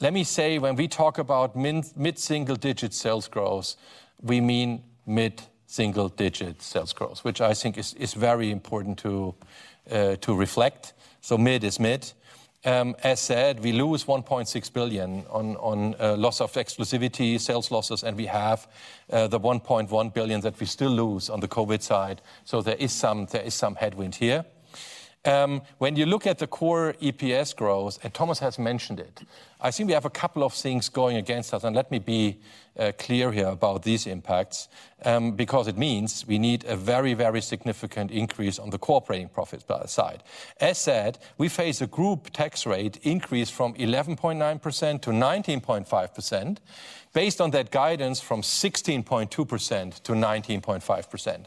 Let me say, when we talk about mid-single-digit sales growth, we mean mid-single-digit sales growth, which I think is very important to reflect. So mid is mid. As said, we lose 1.6 billion on loss of exclusivity, sales losses, and we have the 1.1 billion that we still lose on the COVID side. So there is some headwind here. When you look at the core EPS growth, and Thomas has mentioned it, I think we have a couple of things going against us, and let me be clear here about these impacts, because it means we need a very, very significant increase on the core operating profits side. As said, we face a group tax rate increase from 11.9% to 19.5%, based on that guidance from 16.2% to 19.5%.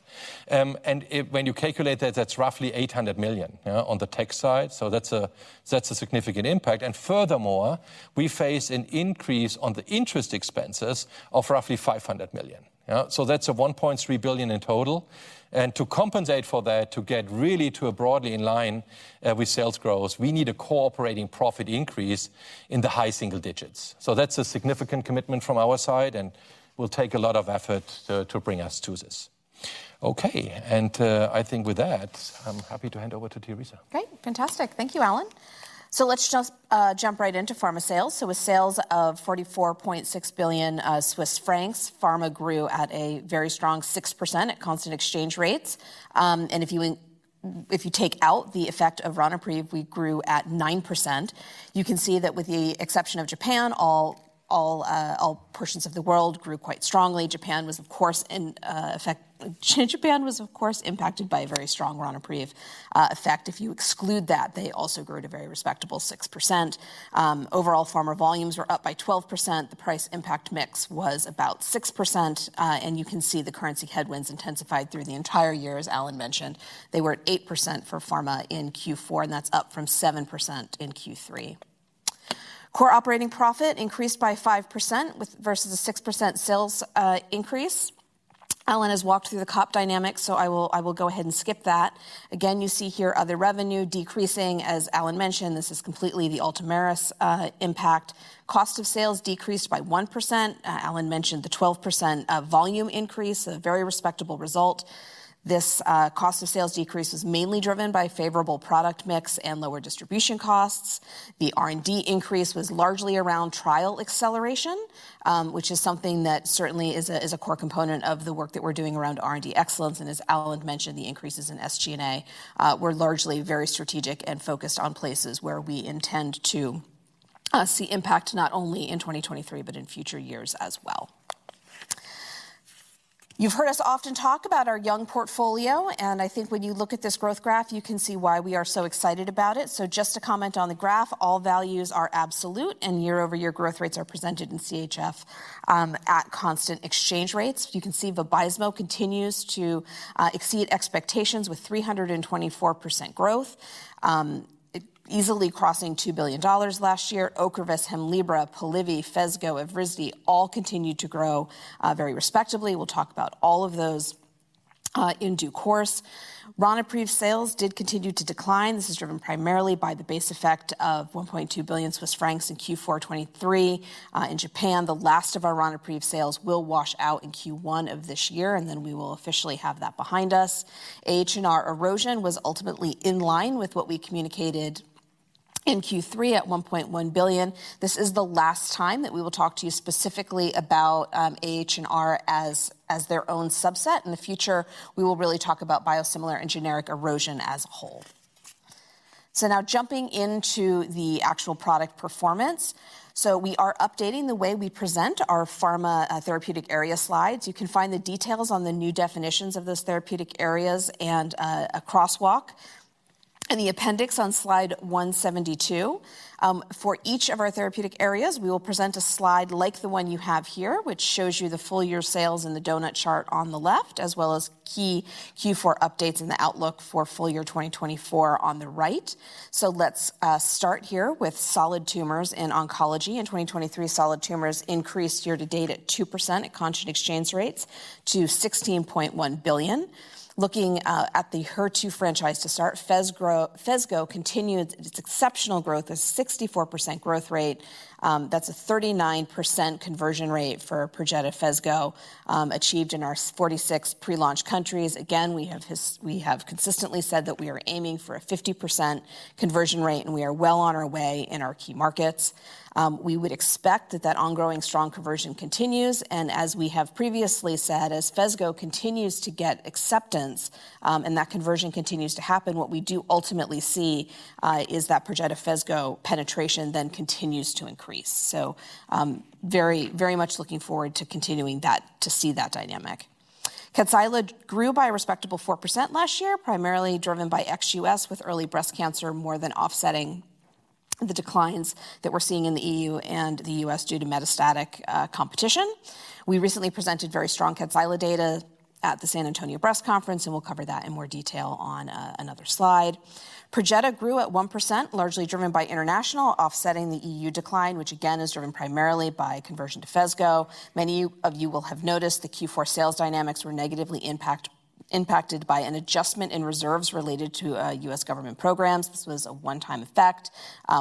And it, when you calculate that, that's roughly 800 million on the tax side, so that's a significant impact. And furthermore, we face an increase on the interest expenses of roughly 500 million. Yeah, so that's 1.3 billion in total. And to compensate for that, to get really to a broadly in line with sales growth, we need a core operating profit increase in the high single digits. So that's a significant commitment from our side, and will take a lot of effort to bring us to this. Okay, and I think with that, I'm happy to hand over to Teresa. Great, fantastic. Thank you, Alan. So let's just jump right into pharma sales. So with sales of 44.6 billion Swiss francs, pharma grew at a very strong 6% at constant exchange rates. And if you take out the effect of Ronapreve, we grew at 9%. You can see that with the exception of Japan, all portions of the world grew quite strongly. Japan was, of course, impacted by a very strong Ronapreve effect. If you exclude that, they also grew at a very respectable 6%. Overall, pharma volumes were up by 12%. The price impact mix was about 6%, and you can see the currency headwinds intensified through the entire year, as Alan mentioned. They were at 8% for pharma in Q4, and that's up from 7% in Q3. Core operating profit increased by 5% versus a 6% sales increase. Alan has walked through the COP dynamics, so I will, I will go ahead and skip that. Again, you see here other revenue decreasing. As Alan mentioned, this is completely the Ultomiris impact. Cost of sales decreased by 1%. Alan mentioned the 12% volume increase, a very respectable result. This cost of sales decrease was mainly driven by favorable product mix and lower distribution costs. The R&D increase was largely around trial acceleration, which is something that certainly is a, is a core component of the work that we're doing around R&D excellence. As Alan mentioned, the increases in SG&A were largely very strategic and focused on places where we intend to see impact not only in 2023, but in future years as well. You've heard us often talk about our young portfolio, and I think when you look at this growth graph, you can see why we are so excited about it. So just to comment on the graph, all values are absolute, and year-over-year growth rates are presented in CHF at constant exchange rates. You can see Vabysmo continues to exceed expectations with 324% growth, it easily crossing $2 billion last year. Ocrevus, Hemlibra, Polivy, Phesgo, Evrysdi, all continued to grow very respectably. We'll talk about all of those in due course. Ronapreve sales did continue to decline. This is driven primarily by the base effect of 1.2 billion Swiss francs in Q4 2023. In Japan, the last of our Ronapreve sales will wash out in Q1 of this year, and then we will officially have that behind us. Herceptin erosion was ultimately in line with what we communicated in Q3 at 1.1 billion. This is the last time that we will talk to you specifically about Herceptin as their own subset. In the future, we will really talk about biosimilar and generic erosion as a whole. So now jumping into the actual product performance. So we are updating the way we present our pharma therapeutic area slides. You can find the details on the new definitions of those therapeutic areas and a crosswalk. In the appendix on slide 172, for each of our therapeutic areas, we will present a slide like the one you have here, which shows you the full-year sales in the donut chart on the left, as well as key Q4 updates and the outlook for full year 2024 on the right. So let's start here with solid tumors in oncology. In 2023, solid tumors increased year to date at 2% at constant exchange rates to 16.1 billion. Looking at the HER2 franchise to start, Phesgo continued its exceptional growth, a 64% growth rate. That's a 39% conversion rate for Perjeta-Phesgo, achieved in our 46 pre-launch countries. Again, we have consistently said that we are aiming for a 50% conversion rate, and we are well on our way in our key markets. We would expect that that ongoing strong conversion continues, and as we have previously said, as Phesgo continues to get acceptance, and that conversion continues to happen, what we do ultimately see is that Perjeta-Phesgo penetration then continues to increase. So, very, very much looking forward to continuing that, to see that dynamic. Kadcyla grew by a respectable 4% last year, primarily driven by ex-U.S., with early breast cancer more than offsetting the declines that we're seeing in the E.U. and the U.S. due to metastatic competition. We recently presented very strong Kadcyla data at the San Antonio Breast Conference, and we'll cover that in more detail on another slide. Perjeta grew at 1%, largely driven by international, offsetting the E.U. decline, which again, is driven primarily by conversion to Phesgo. Many of you will have noticed the Q4 sales dynamics were negatively impacted by an adjustment in reserves related to U.S. government programs. This was a one-time effect.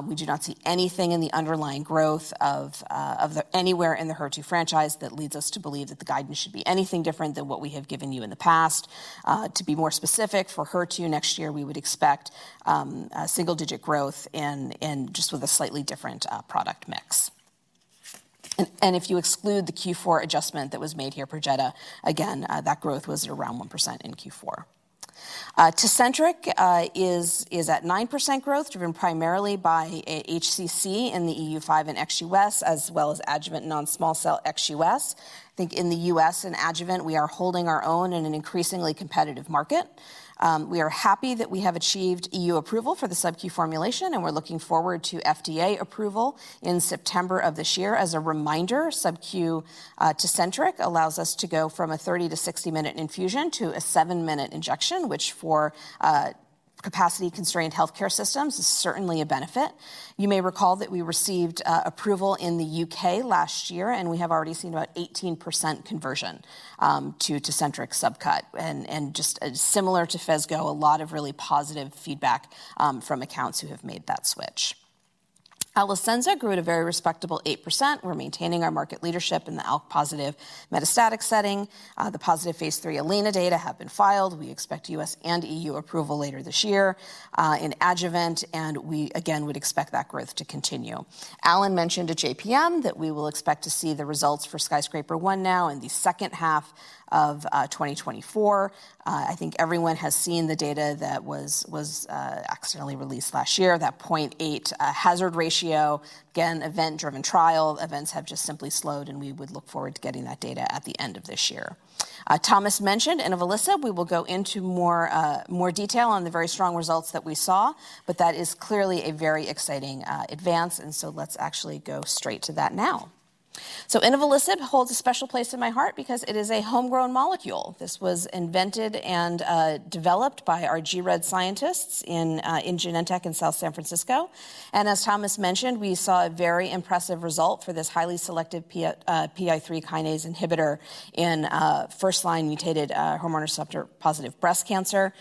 We do not see anything in the underlying growth of the. Anywhere in the HER2 franchise that leads us to believe that the guidance should be anything different than what we have given you in the past. To be more specific, for HER2 next year, we would expect a single-digit growth and just with a slightly different product mix. And if you exclude the Q4 adjustment that was made here, Perjeta, again, that growth was around 1% in Q4. Tecentriq is at 9% growth, driven primarily by HCC in the EU5 and ex-U.S., as well as adjuvant non-small cell ex-U.S. I think in the U.S. and adjuvant, we are holding our own in an increasingly competitive market. We are happy that we have achieved E.U. approval for the subQ formulation, and we're looking forward to FDA approval in September of this year. As a reminder, subQ Tecentriq allows us to go from a 30- to 60-minute infusion to a 7-minute injection, which for capacity-constrained healthcare systems is certainly a benefit. You may recall that we received approval in the U.K. last year, and we have already seen about 18% conversion to Tecentriq subcut. And just similar to Phesgo, a lot of really positive feedback from accounts who have made that switch. Alecensa grew at a very respectable 8%. We're maintaining our market leadership in the ALK-positive metastatic setting. The positive phase III ALINA data have been filed. We expect U.S. and E.U. approval later this year in adjuvant, and we again would expect that growth to continue. Alan mentioned at JPM that we will expect to see the results for SKYSCRAPER-01 now in the second half of 2024. I think everyone has seen the data that was accidentally released last year, that 0.8 hazard ratio. Again, event-driven trial. Events have just simply slowed, and we would look forward to getting that data at the end of this year. Thomas mentioned inavolisib. We will go into more detail on the very strong results that we saw, but that is clearly a very exciting advance, and so let's actually go straight to that now. So inavolisib holds a special place in my heart because it is a homegrown molecule. This was invented and developed by our gRED scientists in Genentech in South San Francisco. As Thomas mentioned, we saw a very impressive result for this highly selective PI3 kinase inhibitor in first-line mutated hormone receptor-positive breast cancer.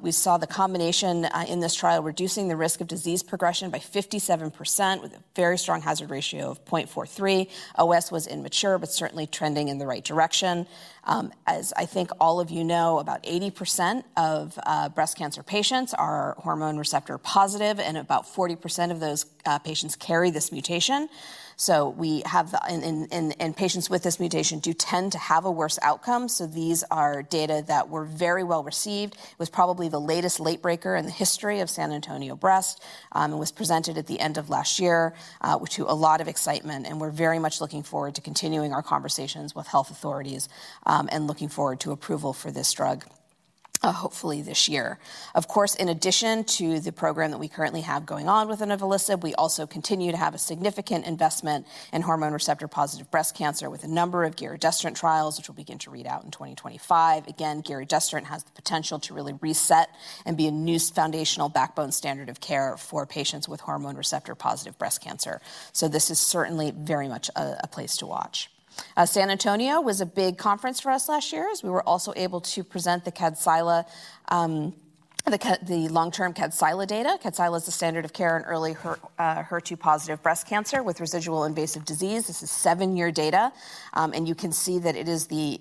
We saw the combination in this trial, reducing the risk of disease progression by 57%, with a very strong hazard ratio of 0.43. OS was immature, but certainly trending in the right direction. As I think all of you know, about 80% of breast cancer patients are hormone receptor-positive, and about 40% of those patients carry this mutation. So patients with this mutation do tend to have a worse outcome, so these are data that were very well received. It was probably the latest late-breaker in the history of San Antonio Breast, and was presented at the end of last year to a lot of excitement. And we're very much looking forward to continuing our conversations with health authorities, and looking forward to approval for this drug, hopefully this year. Of course, in addition to the program that we currently have going on with inavolisib, we also continue to have a significant investment in hormone receptor-positive breast cancer with a number of giredestrant trials, which will begin to read out in 2025. Again, giredestrant has the potential to really reset and be a new foundational backbone standard of care for patients with hormone receptor-positive breast cancer. So this is certainly very much a place to watch. San Antonio was a big conference for us last year, as we were also able to present the Kadcyla, the long-term Kadcyla data. Kadcyla is the standard of care in early HER2-positive breast cancer with residual invasive disease. This is seven-year data, and you can see that it is the.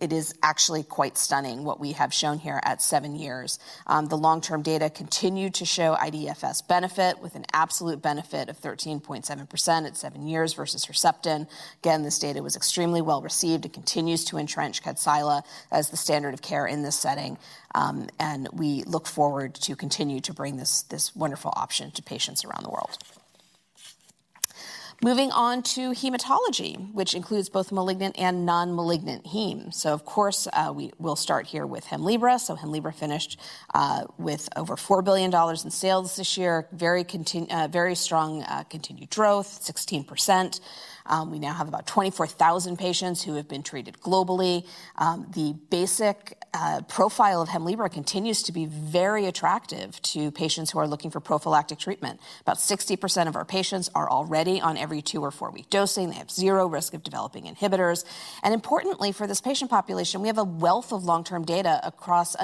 It is actually quite stunning what we have shown here at seven years. The long-term data continued to show iDFS benefit, with an absolute benefit of 13.7% at seven years versus Herceptin. Again, this data was extremely well-received. It continues to entrench Kadcyla as the standard of care in this setting, and we look forward to continue to bring this wonderful option to patients around the world. Moving on to hematology, which includes both malignant and non-malignant heme. So of course, we will start here with Hemlibra. So Hemlibra finished with over $4 billion in sales this year. Very strong, continued growth, 16%. We now have about 24,000 patients who have been treated globally. The basic profile of Hemlibra continues to be very attractive to patients who are looking for prophylactic treatment. About 60% of our patients are already on every two or four-week dosing. They have zero risk of developing inhibitors. And importantly, for this patient population, we have a wealth of long-term data across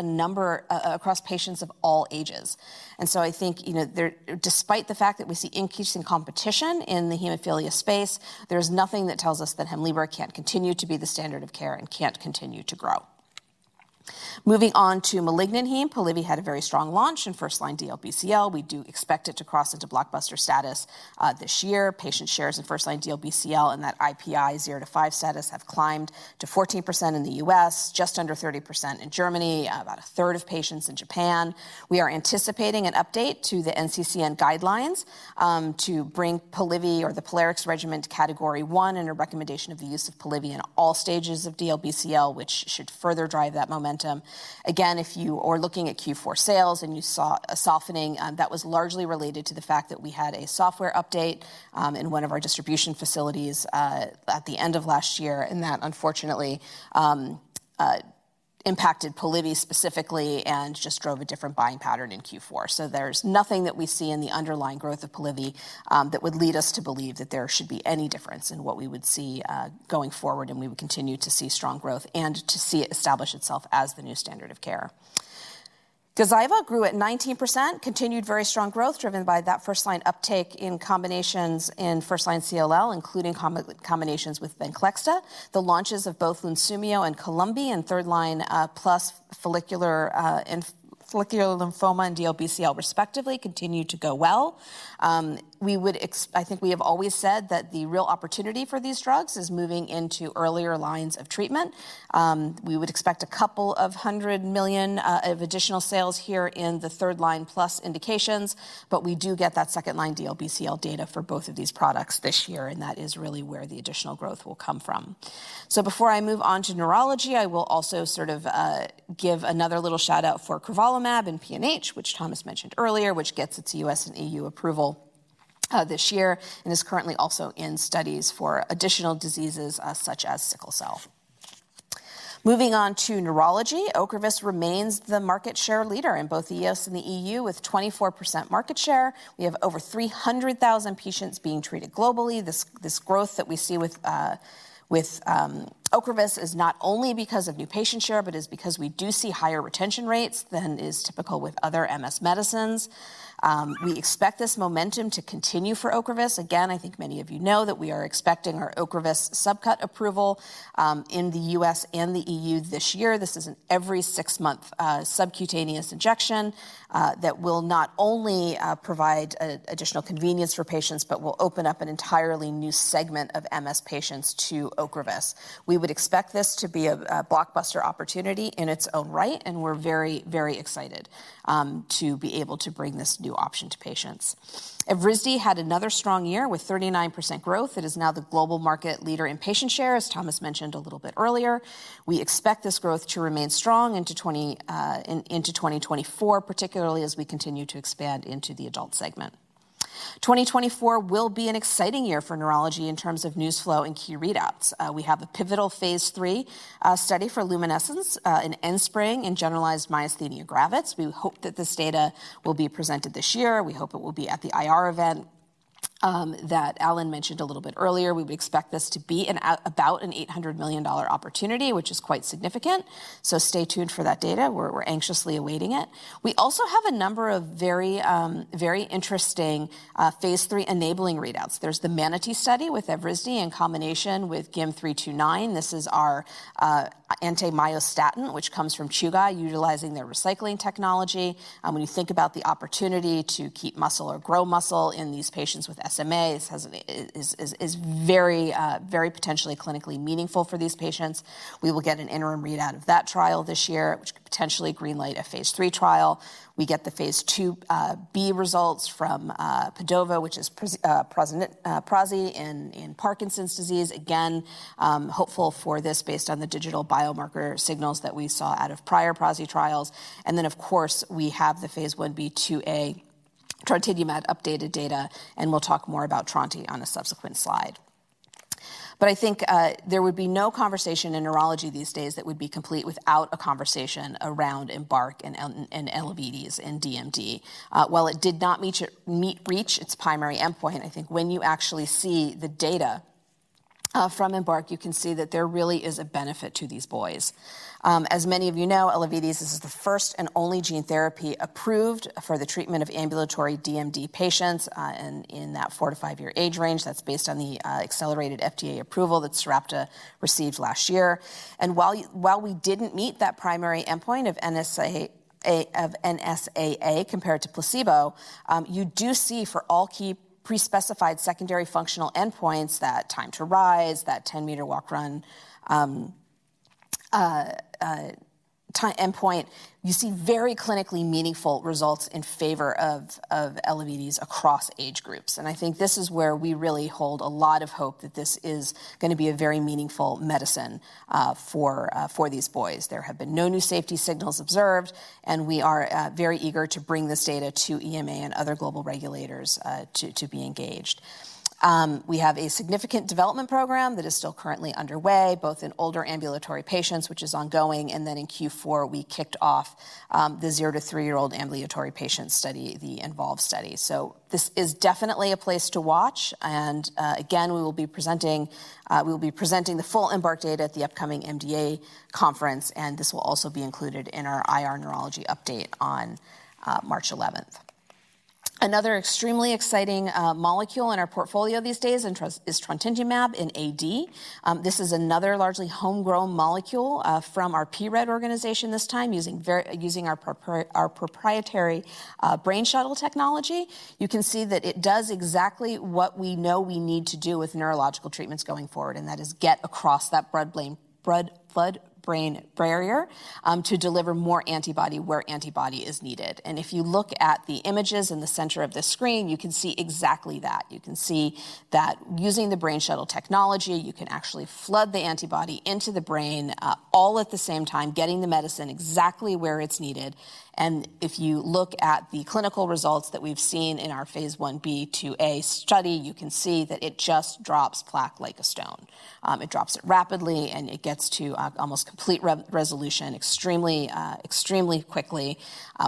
patients of all ages. And so I think, you know, there- despite the fact that we see increasing competition in the hemophilia space, there's nothing that tells us that Hemlibra can't continue to be the standard of care and can't continue to grow. Moving on to malignant heme, Polivy had a very strong launch in first-line DLBCL. We do expect it to cross into blockbuster status this year. Patient shares in first-line DLBCL, and that IPI 0-5 status have climbed to 14% in the U.S., just under 30% in Germany, about a third of patients in Japan. We are anticipating an update to the NCCN guidelines, to bring Polivy or the Polarix regimen to Category 1 and a recommendation of the use of Polivy in all stages of DLBCL, which should further drive that momentum. Again, if you are looking at Q4 sales and you saw a softening, that was largely related to the fact that we had a software update, in one of our distribution facilities, at the end of last year, and that unfortunately, impacted Polivy specifically and just drove a different buying pattern in Q4. There's nothing that we see in the underlying growth of Polivy that would lead us to believe that there should be any difference in what we would see going forward, and we would continue to see strong growth and to see it establish itself as the new standard of care. Gazyva grew at 19%, continued very strong growth, driven by that first-line uptake in combinations in first-line CLL, including combinations with Venclexta. The launches of both Lunsumio and Columvi in third-line plus follicular in follicular lymphoma and DLBCL, respectively, continue to go well. We would. I think we have always said that the real opportunity for these drugs is moving into earlier lines of treatment. We would expect 200 million of additional sales here in the third-line plus indications, but we do get that second-line DLBCL data for both of these products this year, and that is really where the additional growth will come from. So before I move on to neurology, I will also sort of give another little shout-out for crovalimab in PNH, which Thomas mentioned earlier, which gets its U.S. and E.U. approval this year, and is currently also in studies for additional diseases such as sickle cell. Moving on to neurology, Ocrevus remains the market share leader in both the U.S. and the E.U., with 24% market share. We have over 300,000 patients being treated globally. This, this growth that we see with, with, Ocrevus is not only because of new patient share, but is because we do see higher retention rates than is typical with other MS medicines. We expect this momentum to continue for Ocrevus. Again, I think many of you know that we are expecting our Ocrevus subcut approval, in the U.S. and the E.U. this year. This is an every six-month, subcutaneous injection, that will not only, provide additional convenience for patients, but will open up an entirely new segment of MS patients to Ocrevus. We would expect this to be a, a blockbuster opportunity in its own right, and we're very, very excited, to be able to bring this new option to patients. Evrysdi had another strong year with 39% growth. It is now the global market leader in patient share, as Thomas mentioned a little bit earlier. We expect this growth to remain strong into twenty, in, into 2024, particularly as we continue to expand into the adult segment. 2024 will be an exciting year for neurology in terms of news flow and key readouts. We have a pivotal phase III study for satralizumab in Enspryng in generalized myasthenia gravis. We hope that this data will be presented this year. We hope it will be at the IR event that Alan mentioned a little bit earlier. We would expect this to be about an $800 million opportunity, which is quite significant. So stay tuned for that data. We're, we're anxiously awaiting it. We also have a number of very, very interesting phase III-enabling readouts. There's the MANATEE study with Evrysdi in combination with GYM329. This is our antimyostatin, which comes from Chugai, utilizing their recycling technology. And when you think about the opportunity to keep muscle or grow muscle in these patients with SMA, this has is, is, is very very potentially clinically meaningful for these patients. We will get an interim readout of that trial this year, which could potentially green-light a phase III trial. We get the phase IIb results from PADOVA, which is prasinezumab in Parkinson's disease. Again, hopeful for this based on the digital biomarker signals that we saw out of prior prasinezumab trials. And then, of course, we have the phase Ib/IIa trontinemab updated data, and we'll talk more about trontinemab on a subsequent slide. But I think there would be no conversation in neurology these days that would be complete without a conversation around EMBARK and Elevidys and DMD. While it did not reach its primary endpoint, I think when you actually see the data from EMBARK, you can see that there really is a benefit to these boys. As many of you know, Elevidys is the first and only gene therapy approved for the treatment of ambulatory DMD patients in that four-five-year age range. That's based on the accelerated FDA approval that Sarepta received last year. And while we didn't meet that primary endpoint of NSAA compared to placebo, you do see for all key pre-specified secondary functional endpoints, that time to rise, that 10-meter walk run. Primary endpoint, you see very clinically meaningful results in favor of Elevidys across age groups. I think this is where we really hold a lot of hope that this is gonna be a very meaningful medicine for these boys. There have been no new safety signals observed, and we are very eager to bring this data to EMA and other global regulators to be engaged. We have a significant development program that is still currently underway, both in older ambulatory patients, which is ongoing, and then in Q4, we kicked off the 0-3-year-old ambulatory patient study, the ENVOL study. So this is definitely a place to watch, and, again, we will be presenting, we will be presenting the full EMBARK data at the upcoming MDA conference, and this will also be included in our IR neurology update on, March 11th. Another extremely exciting molecule in our portfolio these days is trontinemab in AD. This is another largely homegrown molecule, from our pRED organization this time, using our proprietary Brain Shuttle technology. You can see that it does exactly what we know we need to do with neurological treatments going forward, and that is get across that blood-brain barrier, to deliver more antibody where antibody is needed. And if you look at the images in the center of the screen, you can see exactly that. You can see that using the Brain Shuttle technology, you can actually flood the antibody into the brain, all at the same time, getting the medicine exactly where it's needed. And if you look at the clinical results that we've seen in our phase Ib/IIa study, you can see that it just drops plaque like a stone. It drops it rapidly, and it gets to, almost complete resolution extremely, extremely quickly.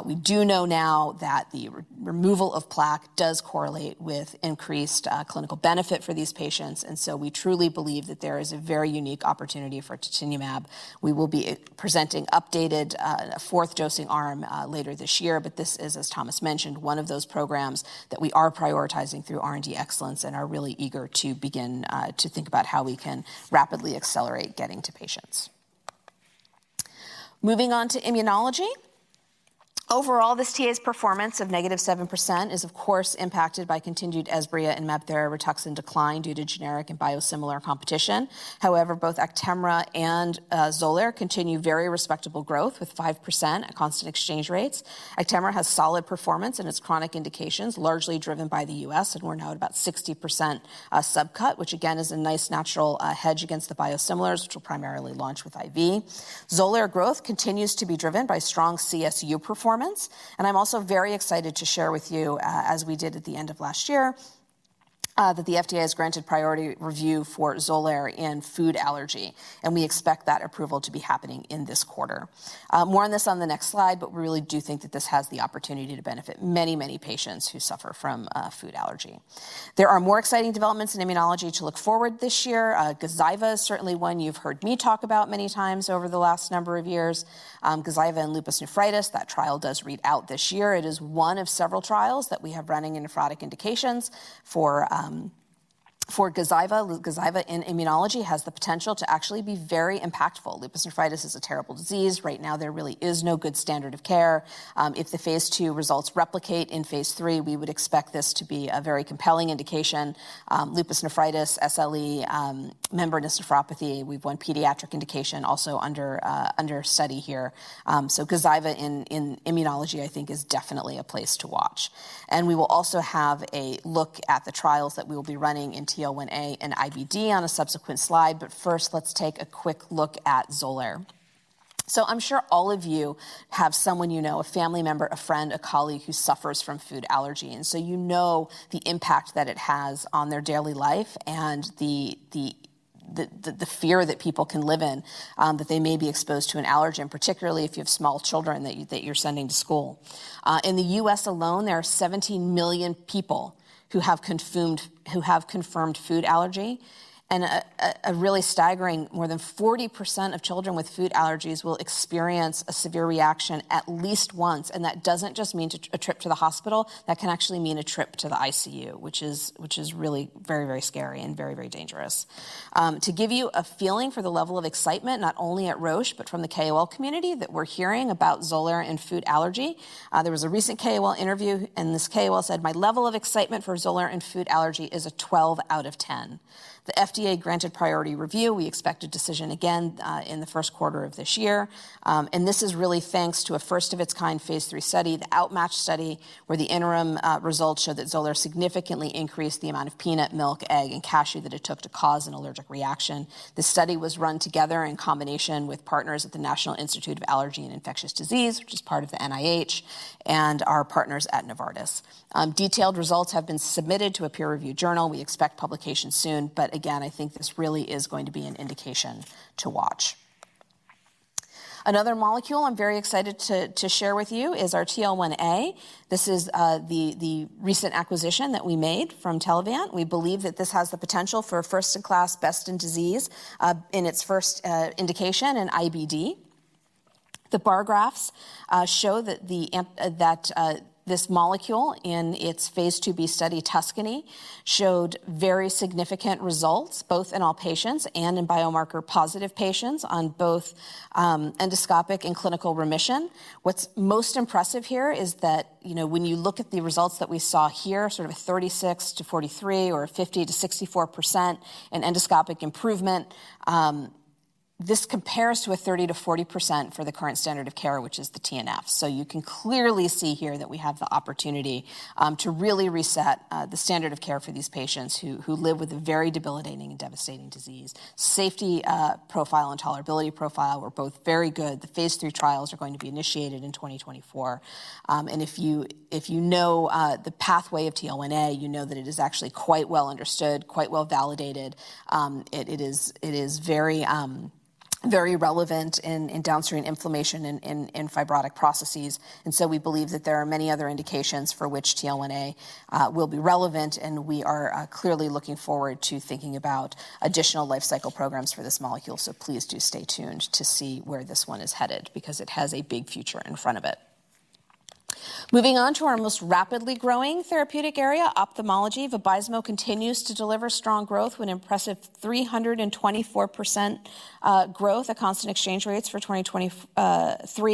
We do know now that the removal of plaque does correlate with increased, clinical benefit for these patients, and so we truly believe that there is a very unique opportunity for trontinemab. We will be presenting updated fourth dosing arm later this year, but this is, as Thomas mentioned, one of those programs that we are prioritizing through R&D excellence and are really eager to begin to think about how we can rapidly accelerate getting to patients. Moving on to immunology. Overall, this TA's performance of negative 7% is, of course, impacted by continued Esbriet and MabThera/Rituxan decline due to generic and biosimilar competition. However, both Actemra and Xolair continue very respectable growth, with 5% at constant exchange rates. Actemra has solid performance in its chronic indications, largely driven by the U.S., and we're now at about 60% subcut, which again, is a nice natural hedge against the biosimilars, which will primarily launch with IV. Xolair growth continues to be driven by strong CSU performance, and I'm also very excited to share with you, as we did at the end of last year, that the FDA has granted priority review for Xolair in food allergy, and we expect that approval to be happening in this quarter. More on this on the next slide, but we really do think that this has the opportunity to benefit many, many patients who suffer from food allergy. There are more exciting developments in immunology to look forward to this year. Gazyva is certainly one you've heard me talk about many times over the last number of years. Gazyva in lupus nephritis, that trial does read out this year. It is one of several trials that we have running in nephrotic indications for Gazyva. Gazyva in immunology has the potential to actually be very impactful. Lupus nephritis is a terrible disease. Right now, there really is no good standard of care. If the phase II results replicate in phase III, we would expect this to be a very compelling indication. Lupus nephritis, SLE, membranous nephropathy. We've one pediatric indication also under study here. So Gazyva in immunology, I think, is definitely a place to watch. And we will also have a look at the trials that we will be running in TL1A and IBD on a subsequent slide, but first, let's take a quick look at Xolair. So I'm sure all of you have someone you know, a family member, a friend, a colleague, who suffers from food allergy, and so you know the impact that it has on their daily life and the fear that people can live in, that they may be exposed to an allergen, particularly if you have small children that you, that you're sending to school. In the U.S. alone, there are 17 million people who have confirmed food allergy, and a really staggering more than 40% of children with food allergies will experience a severe reaction at least once, and that doesn't just mean a trip to the hospital, that can actually mean a trip to the ICU, which is really very, very scary and very, very dangerous. To give you a feeling for the level of excitement, not only at Roche, but from the KOL community, that we're hearing about Xolair and food allergy, there was a recent KOL interview, and this KOL said, "My level of excitement for Xolair and food allergy is a 12 out of 10." The FDA granted priority review. We expect a decision again in the first quarter of this year. And this is really thanks to a first-of-its-kind phase III study, the OUTMATCH study, where the interim results showed that Xolair significantly increased the amount of peanut, milk, egg, and cashew that it took to cause an allergic reaction. This study was run together in combination with partners at the National Institute of Allergy and Infectious Disease, which is part of the NIH, and our partners at Novartis. Detailed results have been submitted to a peer review journal. We expect publication soon, but again, I think this really is going to be an indication to watch. Another molecule I'm very excited to share with you is our TL1A. This is the recent acquisition that we made from Telavant. We believe that this has the potential for a first-in-class, best-in-disease, in its first indication in IBD. The bar graphs show that this molecule in its phase IIb study, TUSCANY, showed very significant results, both in all patients and in biomarker-positive patients on both endoscopic and clinical remission. What's most impressive here is that, you know, when you look at the results that we saw here, sort of a 36-43 or a 50-64% in endoscopic improvement. This compares to a 30%-40% for the current standard of care, which is the TNF. So you can clearly see here that we have the opportunity to really reset the standard of care for these patients who live with a very debilitating and devastating disease. Safety, profile and tolerability profile were both very good. The phase III trials are going to be initiated in 2024. And if you know the pathway of TL1A, you know that it is actually quite well understood, quite well validated. It is very relevant in downstream inflammation in fibrotic processes, and so we believe that there are many other indications for which TL1A will be relevant, and we are clearly looking forward to thinking about additional life cycle programs for this molecule. So please do stay tuned to see where this one is headed, because it has a big future in front of it. Moving on to our most rapidly growing therapeutic area, ophthalmology, Vabysmo continues to deliver strong growth with an impressive 324% growth at constant exchange rates for 2023,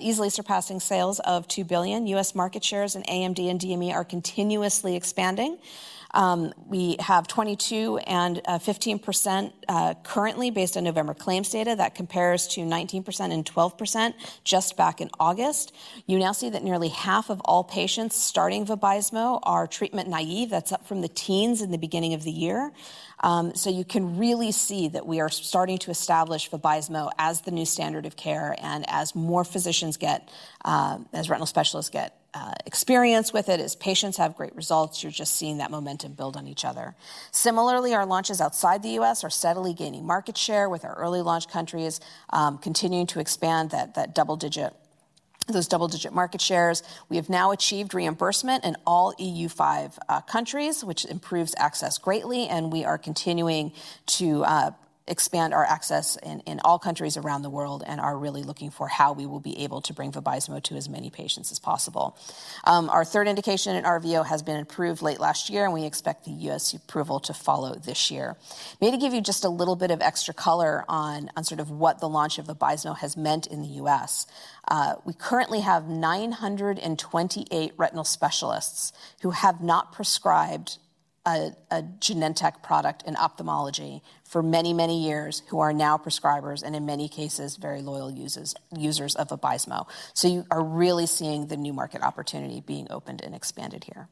easily surpassing sales of 2 billion. U.S. market shares in AMD and DME are continuously expanding. We have 22 and 15% currently, based on November claims data. That compares to 19% and 12% just back in August. You now see that nearly half of all patients starting Vabysmo are treatment naive. That's up from the teens in the beginning of the year. So you can really see that we are starting to establish Vabysmo as the new standard of care, and as more physicians get, as retinal specialists get, experience with it, as patients have great results, you're just seeing that momentum build on each other. Similarly, our launches outside the U.S. are steadily gaining market share, with our early launch countries continuing to expand those double-digit market shares. We have now achieved reimbursement in all EU5 countries, which improves access greatly, and we are continuing to expand our access in all countries around the world and are really looking for how we will be able to bring Vabysmo to as many patients as possible. Our third indication in RVO has been approved late last year, and we expect the U.S. approval to follow this year. Maybe to give you just a little bit of extra color on, on sort of what the launch of Vabysmo has meant in the U.S. We currently have 928 retinal specialists who have not prescribed a, a Genentech product in ophthalmology for many, many years, who are now prescribers, and in many cases, very loyal users, users of Vabysmo. So you are really seeing the new market opportunity being opened and expanded here.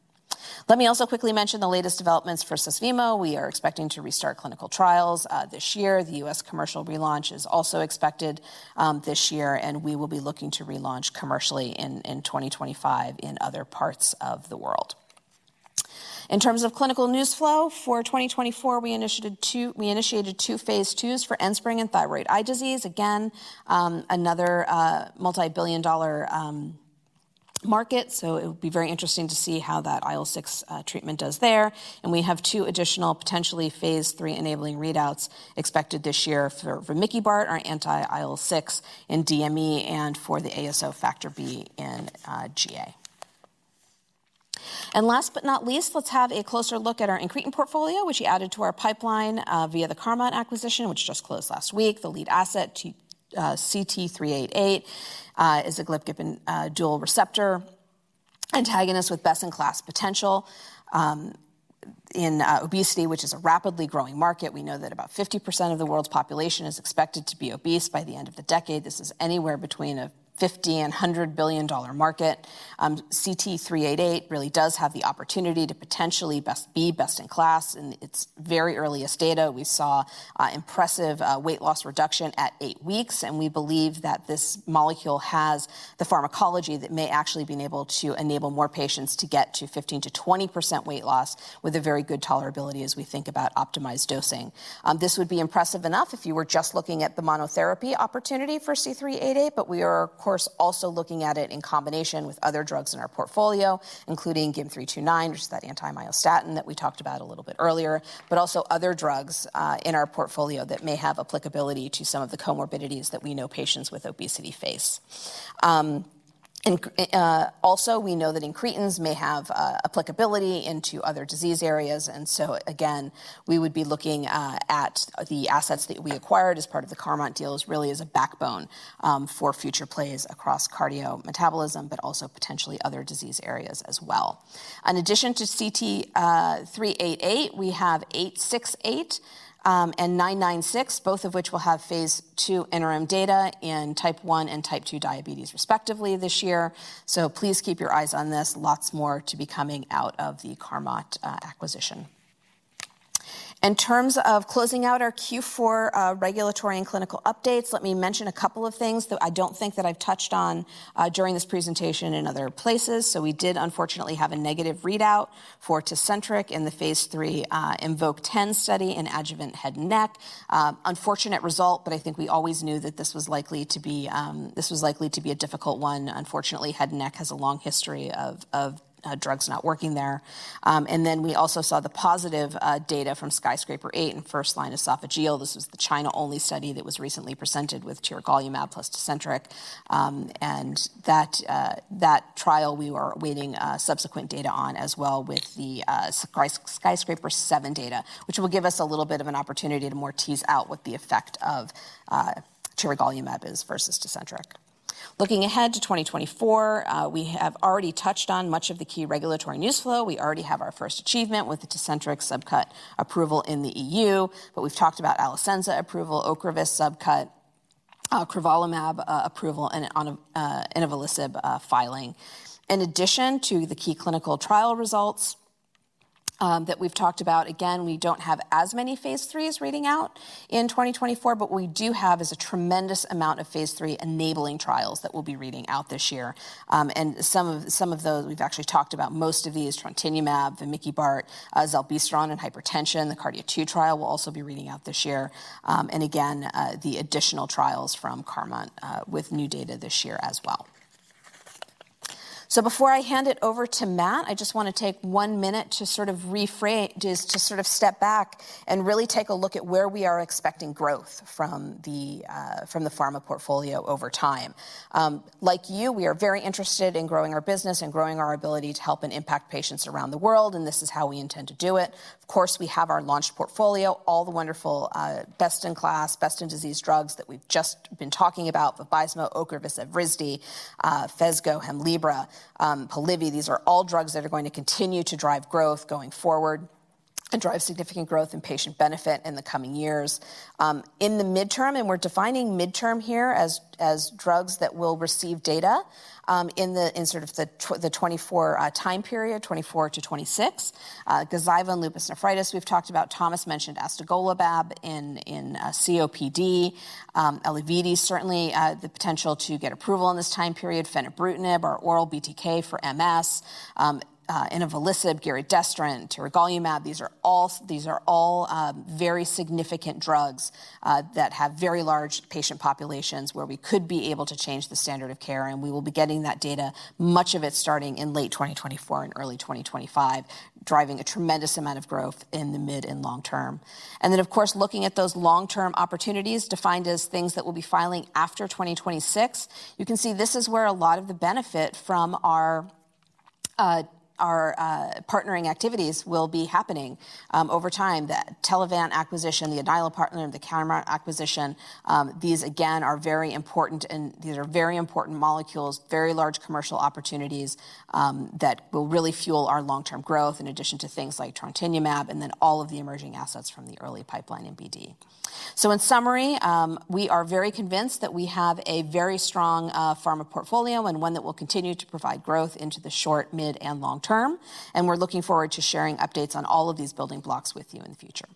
Let me also quickly mention the latest developments for Susvimo. We are expecting to restart clinical trials this year. The U.S. commercial relaunch is also expected this year, and we will be looking to relaunch commercially in 2025 in other parts of the world. In terms of clinical news flow, for 2024, we initiated two phase IIs for Enspryng and thyroid eye disease. Again, another multibillion-dollar market, so it will be very interesting to see how that IL-6 treatment does there. And we have two additional potentially phase III enabling readouts expected this year for vamikibart, our anti-IL-6 in DME, and for the ASO factor B in GA. And last but not least, let's have a closer look at our incretin portfolio, which we added to our pipeline via the Carmot acquisition, which just closed last week. The lead asset, CT-388, is a GLP-1 dual receptor agonist with best-in-class potential in obesity, which is a rapidly growing market. We know that about 50% of the world's population is expected to be obese by the end of the decade. This is anywhere between $50 billion and $100 billion market. CT-388 really does have the opportunity to potentially be best in class. In its very earliest data, we saw impressive weight loss reduction at eight weeks, and we believe that this molecule has the pharmacology that may actually being able to enable more patients to get to 15%-20% weight loss with a very good tolerability as we think about optimized dosing. This would be impressive enough if you were just looking at the monotherapy opportunity for CT-388, but we are, of course, also looking at it in combination with other drugs in our portfolio, including GYM329, which is that anti-myostatin that we talked about a little bit earlier, but also other drugs in our portfolio that may have applicability to some of the comorbidities that we know patients with obesity face. Also, we know that incretins may have applicability into other disease areas, and so again, we would be looking at the assets that we acquired as part of the Carmot deal as really as a backbone for future plays across cardio metabolism, but also potentially other disease areas as well. In addition to CT-388, we have CT-868 and CT-996, both of which will have phase II interim data in Type 1 and Type 2 diabetes, respectively, this year. So please keep your eyes on this. Lots more to be coming out of the Carmot acquisition. In terms of closing out our Q4 regulatory and clinical updates, let me mention a couple of things that I don't think that I've touched on during this presentation in other places. So we did, unfortunately, have a negative readout for Tecentriq in the phase III IMvoke010 study in adjuvant head and neck. Unfortunate result, but I think we always knew that this was likely to be a difficult one. Unfortunately, head and neck has a long history of drugs not working there. And then we also saw the positive data from SKYSCRAPER-08 in first-line esophageal. This was the China-only study that was recently presented with tiragolumab plus Tecentriq, and that trial we were awaiting subsequent data on as well with the SKYSCRAPER-07 data, which will give us a little bit of an opportunity to more tease out what the effect of tiragolumab is versus Tecentriq. Looking ahead to 2024, we have already touched on much of the key regulatory news flow. We already have our first achievement with the Tecentriq subcut approval in the E.U., but we've talked about Alecensa approval, Ocrevus subcut, crovalimab approval, and on a, inavolisib filing. In addition to the key clinical trial results that we've talked about, again, we don't have as many phase IIIs reading out in 2024, but what we do have is a tremendous amount of phase III enabling trials that will be reading out this year. And some of, some of those, we've actually talked about most of these, trontinemab, vamikibart, zilebesiran and hypertension, the KARDIA-2 trial will also be reading out this year. And again, the additional trials from Carmot with new data this year as well. Before I hand it over to Matt, I just want to take one minute to sort of just to sort of step back and really take a look at where we are expecting growth from the from the pharma portfolio over time. Like you, we are very interested in growing our business and growing our ability to help and impact patients around the world, and this is how we intend to do it. Of course, we have our launch portfolio, all the wonderful best-in-class, best-in-disease drugs that we've just been talking about, Vabysmo, Ocrevus, Evrysdi, Phesgo, Hemlibra, Polivy. These are all drugs that are going to continue to drive growth going forward, and drive significant growth and patient benefit in the coming years. In the midterm, and we're defining midterm here as drugs that will receive data in sort of the 2024 time period, 2024-2026. Gazyva, lupus nephritis, we've talked about Thomas mentioned astegolimab in COPD, Elevidys, certainly the potential to get approval in this time period, fenebrutinib, our oral BTK for MS, inavolisib, giredestrant, tiragolumab. These are all very significant drugs that have very large patient populations where we could be able to change the standard of care, and we will be getting that data, much of it starting in late 2024 and early 2025, driving a tremendous amount of growth in the mid and long term. And then, of course, looking at those long-term opportunities, defined as things that we'll be filing after 2026, you can see this is where a lot of the benefit from our, our, partnering activities will be happening, over time. The Telavant acquisition, the Alnylam partner, the Carmot acquisition, these, again, are very important and these are very important molecules, very large commercial opportunities, that will really fuel our long-term growth, in addition to things like trontinemab, and then all of the emerging assets from the early pipeline in BD. So in summary, we are very convinced that we have a very strong, pharma portfolio and one that will continue to provide growth into the short, mid, and long term, and we're looking forward to sharing updates on all of these building blocks with you in the future.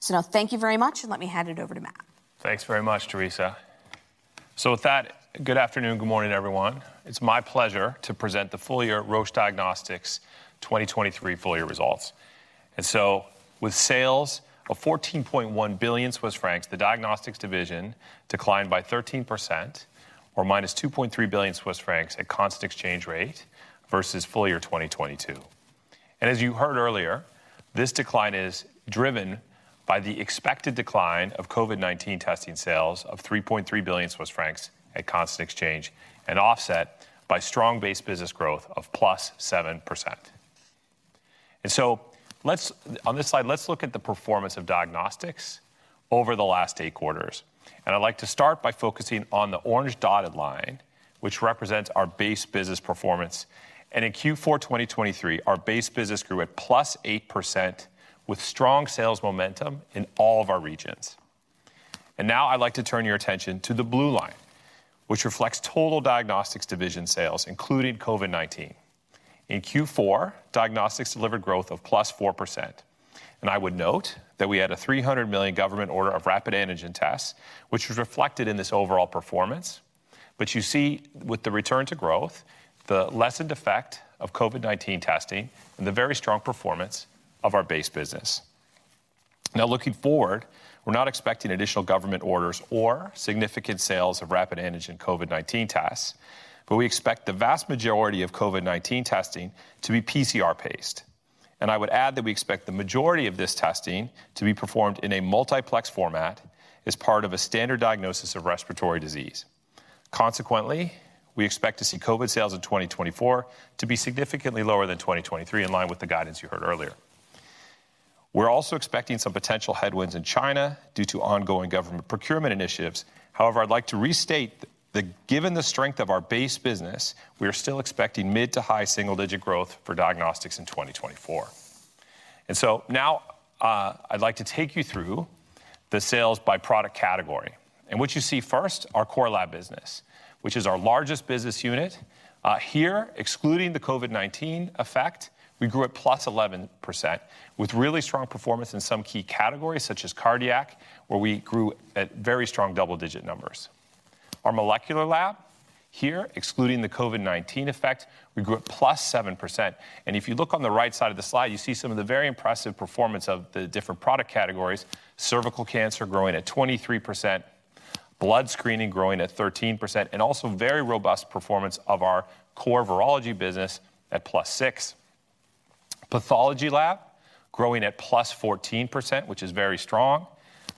So now, thank you very much, and let me hand it over to Matt. Thanks very much, Teresa. So with that, good afternoon, good morning, everyone. It's my pleasure to present the full year Roche Diagnostics 2023 full year results. And so with sales of 14.1 billion Swiss francs, the diagnostics division declined by 13% or -2.3 billion Swiss francs at constant exchange rate versus full year 2022. And as you heard earlier, this decline is driven by the expected decline of COVID-19 testing sales of 3.3 billion Swiss francs at constant exchange, and offset by strong base business growth of +7%. And so, on this slide, let's look at the performance of diagnostics over the last eight quarters. And I'd like to start by focusing on the orange dotted line, which represents our base business performance. In Q4 2023, our base business grew at +8%, with strong sales momentum in all of our regions. Now I'd like to turn your attention to the blue line, which reflects total diagnostics division sales, including COVID-19. In Q4, diagnostics delivered growth of +4%. I would note that we had a 300 million government order of rapid antigen tests, which was reflected in this overall performance. But you see, with the return to growth, the lessened effect of COVID-19 testing, and the very strong performance of our base business. Now, looking forward, we're not expecting additional government orders or significant sales of rapid antigen COVID-19 tests, but we expect the vast majority of COVID-19 testing to be PCR-based. I would add that we expect the majority of this testing to be performed in a multiplex format as part of a standard diagnosis of respiratory disease. Consequently, we expect to see COVID sales in 2024 to be significantly lower than 2023, in line with the guidance you heard earlier. We're also expecting some potential headwinds in China due to ongoing government procurement initiatives. However, I'd like to restate that given the strength of our base business, we are still expecting mid- to high single-digit growth for diagnostics in 2024. So now, I'd like to take you through the sales by product category. What you see first, our core lab business, which is our largest business unit. Here, excluding the COVID-19 effect, we grew at +11%, with really strong performance in some key categories, such as cardiac, where we grew at very strong double-digit numbers. Our molecular lab, here, excluding the COVID-19 effect, we grew at +7%. If you look on the right side of the slide, you see some of the very impressive performance of the different product categories: cervical cancer growing at 23%, blood screening growing at 13%, and also very robust performance of our core virology business at +6. Pathology lab growing at +14%, which is very strong.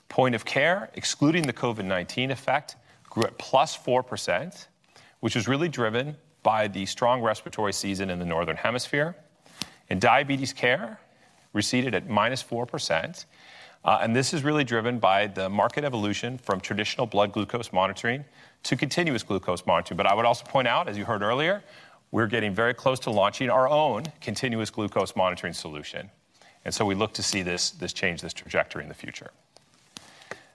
Point of care, excluding the COVID-19 effect, grew at +4%, which was really driven by the strong respiratory season in the northern hemisphere. and diabetes care receded at -4%. And this is really driven by the market evolution from traditional blood glucose monitoring to continuous glucose monitoring. But I would also point out, as you heard earlier, we're getting very close to launching our own continuous glucose monitoring solution, and so we look to see this, this change, this trajectory in the future.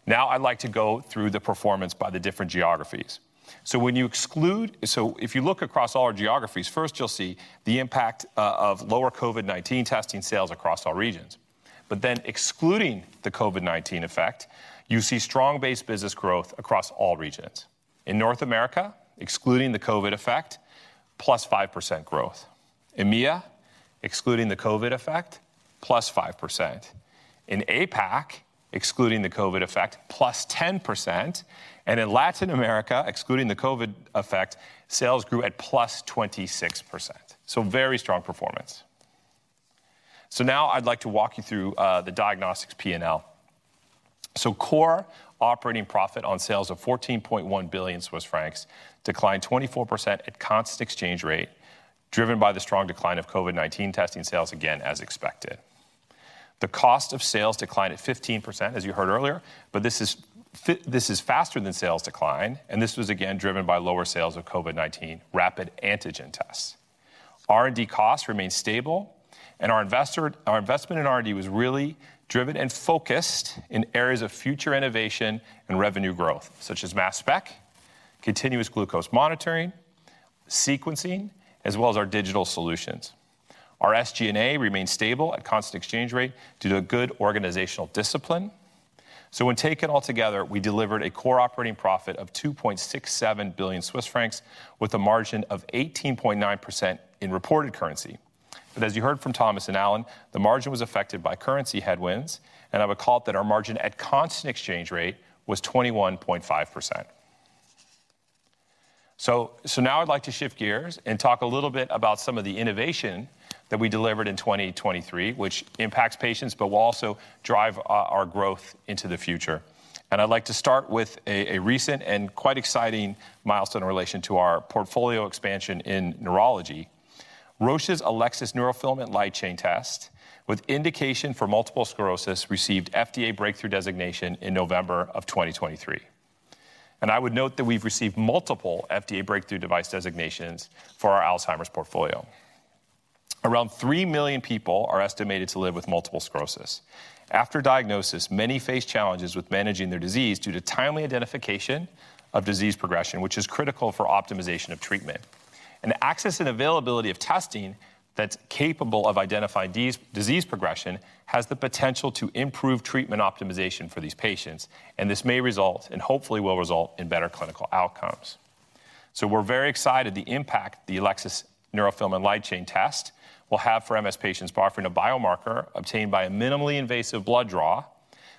Now, I'd like to go through the performance by the different geographies. So when you exclude-- So if you look across all our geographies, first you'll see the impact of lower COVID-19 testing sales across all regions. But then excluding the COVID-19 effect, you see strong base business growth across all regions. In North America, excluding the COVID effect, plus 5% growth. EMEA, excluding the COVID effect, plus 5%. In APAC, excluding the COVID effect, plus 10%, and in Latin America, excluding the COVID effect, sales grew at plus 26%. Very strong performance. Now I'd like to walk you through the diagnostics P&L. Core operating profit on sales of 14.1 billion Swiss francs declined 24% at constant exchange rate, driven by the strong decline of COVID-19 testing sales, again, as expected. The cost of sales declined 15%, as you heard earlier, but this is faster than sales decline, and this was again driven by lower sales of COVID-19 rapid antigen tests. R&D costs remained stable, and our investment in R&D was really driven and focused in areas of future innovation and revenue growth, such as mass spec, continuous glucose monitoring, sequencing, as well as our digital solutions. Our SG&A remained stable at constant exchange rate due to a good organizational discipline. So when taken all together, we delivered a core operating profit of 2.67 billion Swiss francs, with a margin of 18.9% in reported currency. But as you heard from Thomas and Alan, the margin was affected by currency headwinds, and I would call out that our margin at constant exchange rate was 21.5%. So now I'd like to shift gears and talk a little bit about some of the innovation that we delivered in 2023, which impacts patients, but will also drive our growth into the future. I'd like to start with a recent and quite exciting milestone in relation to our portfolio expansion in neurology. Roche's Elecsys Neurofilament Light Chain test, with indication for multiple sclerosis, received FDA breakthrough designation in November of 2023. I would note that we've received multiple FDA breakthrough device designations for our Alzheimer's portfolio. Around three million people are estimated to live with multiple sclerosis. After diagnosis, many face challenges with managing their disease due to timely identification of disease progression, which is critical for optimization of treatment. Access and availability of testing that's capable of identifying disease progression has the potential to improve treatment optimization for these patients, and this may result, and hopefully will result, in better clinical outcomes. We're very excited the impact the Elecsys Neurofilament Light Chain test will have for MS patients, by offering a biomarker obtained by a minimally invasive blood draw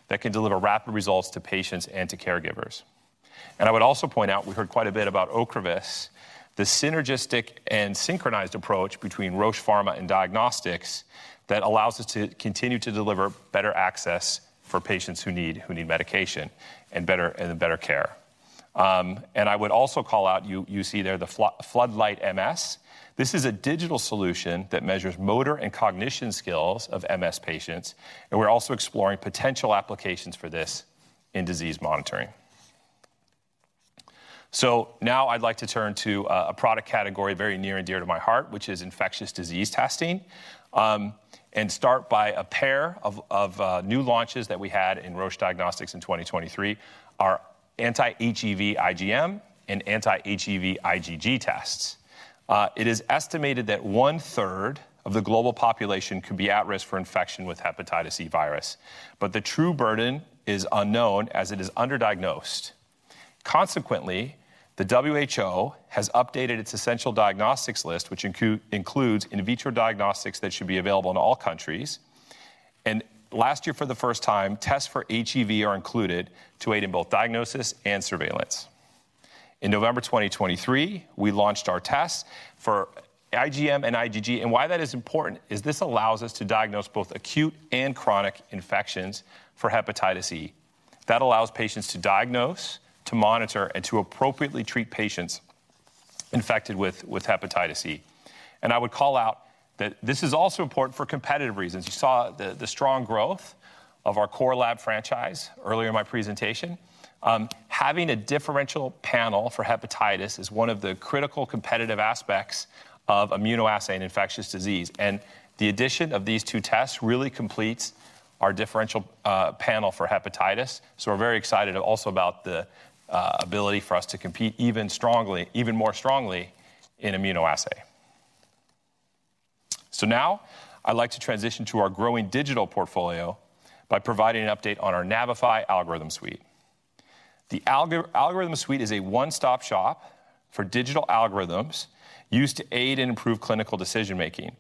that can deliver rapid results to patients and to caregivers. I would also point out, we heard quite a bit about Ocrevus, the synergistic and synchronized approach between Roche Pharma and Diagnostics, that allows us to continue to deliver better access for patients who need, who need medication, and better, and better care. I would also call out, you see there the Floodlight MS. This is a digital solution that measures motor and cognition skills of MS patients, and we're also exploring potential applications for this in disease monitoring. Now I'd like to turn to a product category very near and dear to my heart, which is infectious disease testing, and start by a pair of new launches that we had in Roche Diagnostics in 2023, our anti-HEV IgM and anti-HEV IgG tests. It is estimated that one third of the global population could be at risk for infection with hepatitis E virus, but the true burden is unknown, as it is underdiagnosed. Consequently, the WHO has updated its essential diagnostics list, which includes in vitro diagnostics that should be available in all countries. Last year, for the first time, tests for HEV are included to aid in both diagnosis and surveillance. In November 2023, we launched our tests for IgM and IgG, and why that is important is this allows us to diagnose both acute and chronic infections for hepatitis E. That allows patients to diagnose, to monitor, and to appropriately treat patients infected with hepatitis E. And I would call out that this is also important for competitive reasons. You saw the strong growth of our core lab franchise earlier in my presentation. Having a differential panel for hepatitis is one of the critical competitive aspects of immunoassay in infectious disease, and the addition of these two tests really completes our differential panel for hepatitis. So we're very excited also about the ability for us to compete even more strongly in immunoassay. So now I'd like to transition to our growing digital portfolio by providing an update on our Navify Algorithm Suite. The Algorithm Suite is a one-stop shop for digital algorithms used to aid and improve clinical decision-making.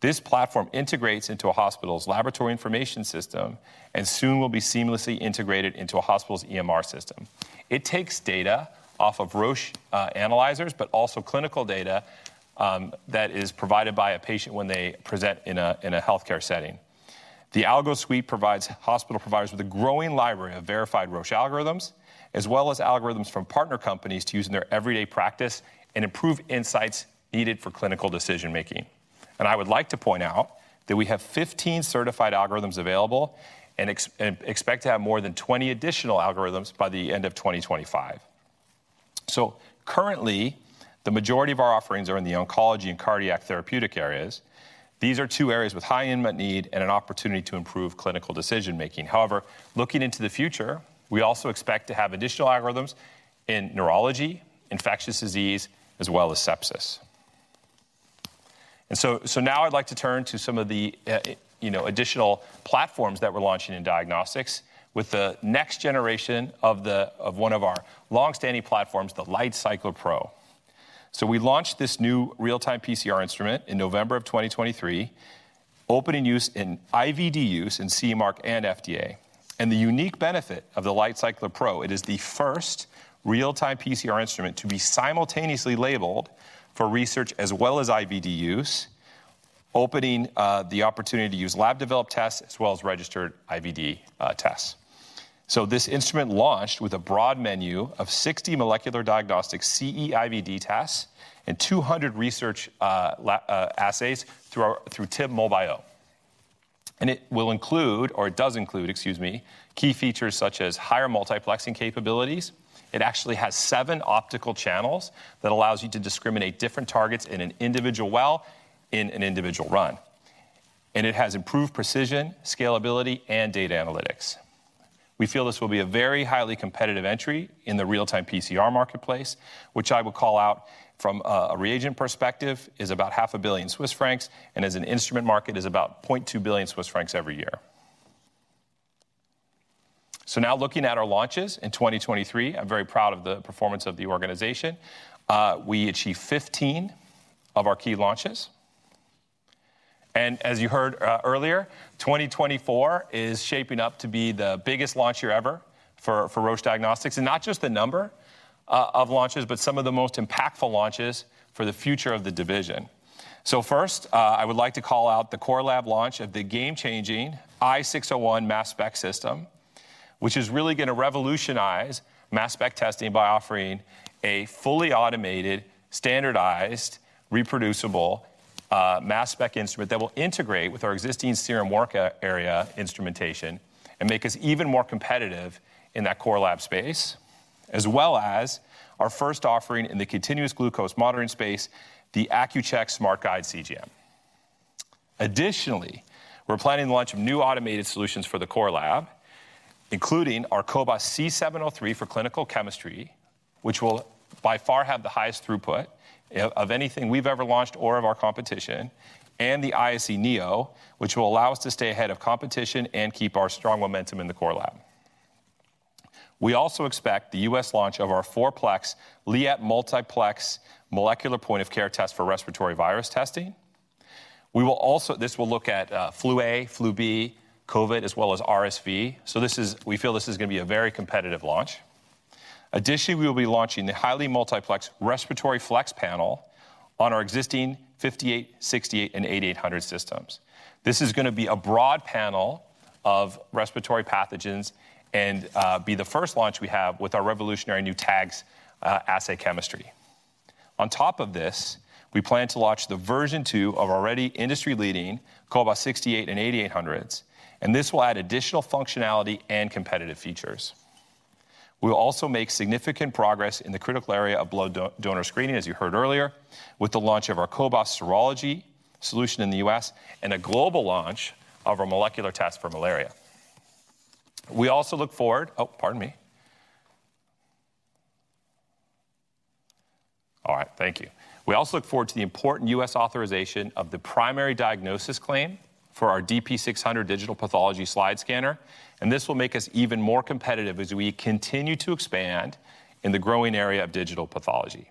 This platform integrates into a hospital's laboratory information system, and soon will be seamlessly integrated into a hospital's EMR system. It takes data off of Roche analyzers, but also clinical data that is provided by a patient when they present in a healthcare setting. The AlgoSuite provides hospital providers with a growing library of verified Roche algorithms, as well as algorithms from partner companies to use in their everyday practice and improve insights needed for clinical decision-making. I would like to point out that we have 15 certified algorithms available and expect to have more than 20 additional algorithms by the end of 2025. Currently, the majority of our offerings are in the oncology and cardiac therapeutic areas. These are two areas with high unmet need and an opportunity to improve clinical decision making. However, looking into the future, we also expect to have additional algorithms in neurology, infectious disease, as well as sepsis. And so now I'd like to turn to some of the, you know, additional platforms that we're launching in diagnostics with the next generation of one of our long-standing platforms, the LightCycler Pro. So we launched this new real-time PCR instrument in November of 2023, opening use in IVD in CE Mark and FDA. And the unique benefit of the LightCycler Pro, it is the first real-time PCR instrument to be simultaneously labeled for research as well as IVD use, opening the opportunity to use lab-developed tests as well as registered IVD tests. So this instrument launched with a broad menu of 60 molecular diagnostic CE IVD tests and 200 research assays through TIB Molbiol. And it will include, or it does include, excuse me, key features such as higher multiplexing capabilities. It actually has seven optical channels that allows you to discriminate different targets in an individual well, in an individual run. And it has improved precision, scalability, and data analytics. We feel this will be a very highly competitive entry in the real-time PCR marketplace, which I will call out from a reagent perspective, is about 500 million Swiss francs, and as an instrument market, is about 0.2 billion Swiss francs every year. So now looking at our launches in 2023, I'm very proud of the performance of the organization. We achieved 15 of our key launches. And as you heard earlier, 2024 is shaping up to be the biggest launch year ever for Roche Diagnostics, and not just the number of launches, but some of the most impactful launches for the future of the division. So first, I would like to call out the Core Lab launch of the game-changing i-601 Mass Spec system, which is really gonna revolutionize Mass Spec testing by offering a fully automated, standardized, reproducible, Mass Spec instrument that will integrate with our existing serum work area instrumentation and make us even more competitive in that Core Lab space, as well as our first offering in the continuous glucose monitoring space, the Accu-Chek SmartGuide CGM. Additionally, we're planning the launch of new automated solutions for the Core Lab, including our cobas c 703 for clinical chemistry, which will by far have the highest throughput of anything we've ever launched or of our competition, and the ISE neo, which will allow us to stay ahead of competition and keep our strong momentum in the Core Lab. We also expect the U.S. launch of our 4-plex Liat Multiplex molecular point-of-care test for respiratory virus testing. We will also. This will look at flu A, flu B, COVID, as well as RSV. So, we feel this is gonna be a very competitive launch. Additionally, we will be launching the highly multiplexed Respiratory Flex panel on our existing cobas 5800, 6800, and 8800 systems. This is gonna be a broad panel of respiratory pathogens and be the first launch we have with our revolutionary new TAGS assay chemistry. On top of this, we plan to launch the version two of our already industry-leading cobas 6800 and 8800, and this will add additional functionality and competitive features. We'll also make significant progress in the critical area of blood donor screening, as you heard earlier, with the launch of our cobas serology solution in the U.S. and a global launch of our molecular test for malaria. We also look forward. Oh, pardon me. All right, thank you. We also look forward to the important U.S. authorization of the primary diagnosis claim for our DP 600 digital pathology slide scanner, and this will make us even more competitive as we continue to expand in the growing area of digital pathology.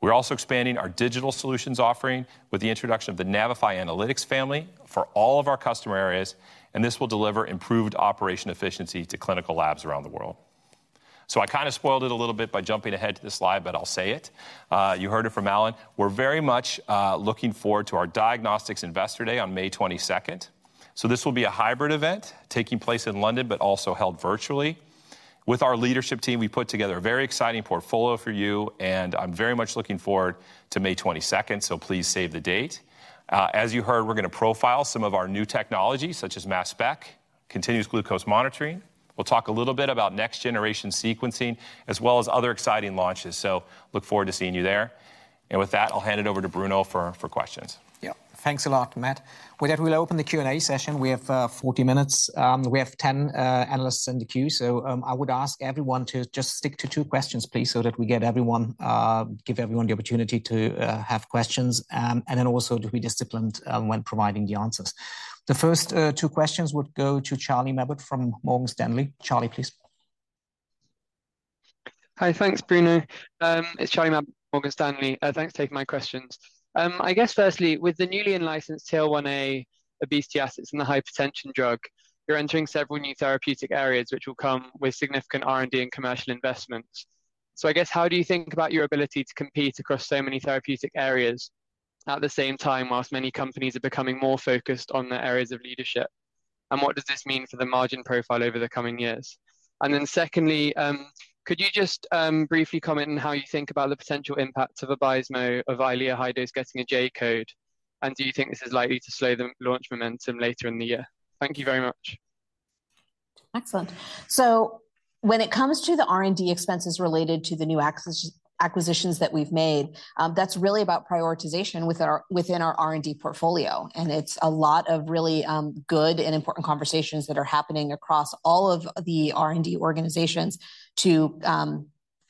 We're also expanding our digital solutions offering with the introduction of the Navify Analytics family for all of our customer areas, and this will deliver improved operation efficiency to clinical labs around the world. So I kind of spoiled it a little bit by jumping ahead to this slide, but I'll say it. You heard it from Alan: We're very much looking forward to our diagnostics investor day on May twenty-second. So this will be a hybrid event taking place in London, but also held virtually. With our leadership team, we put together a very exciting portfolio for you, and I'm very much looking forward to May twenty-second, so please save the date. As you heard, we're gonna profile some of our new technologies, such as Mass Spec, continuous glucose monitoring. We'll talk a little bit about next-generation sequencing, as well as other exciting launches, so look forward to seeing you there. And with that, I'll hand it over to Bruno for questions. Yeah. Thanks a lot, Matt. With that, we'll open the Q&A session. We have 40 minutes. We have 10 analysts in the queue, so I would ask everyone to just stick to two questions, please, so that we get everyone, give everyone the opportunity to have questions, and then also to be disciplined when providing the answers. The first two questions would go to Charlie Mabbutt from Morgan Stanley. Charlie, please. Hi. Thanks, Bruno. It's Charlie Mabbutt, Morgan Stanley. Thanks for taking my questions. I guess firstly, with the newly licensed TL1A obesity assets and the hypertension drug, you're entering several new therapeutic areas, which will come with significant R&D and commercial investments. So I guess, how do you think about your ability to compete across so many therapeutic areas at the same time, while many companies are becoming more focused on their areas of leadership? And what does this mean for the margin profile over the coming years? And then secondly, could you just briefly comment on how you think about the potential impacts of Vabysmo of Eylea high dose getting a J-code? And do you think this is likely to slow the launch momentum later in the year? Thank you very much. Excellent. So when it comes to the R&D expenses related to the new acquisitions that we've made, that's really about prioritization within our R&D portfolio, and it's a lot of really good and important conversations that are happening across all of the R&D organizations to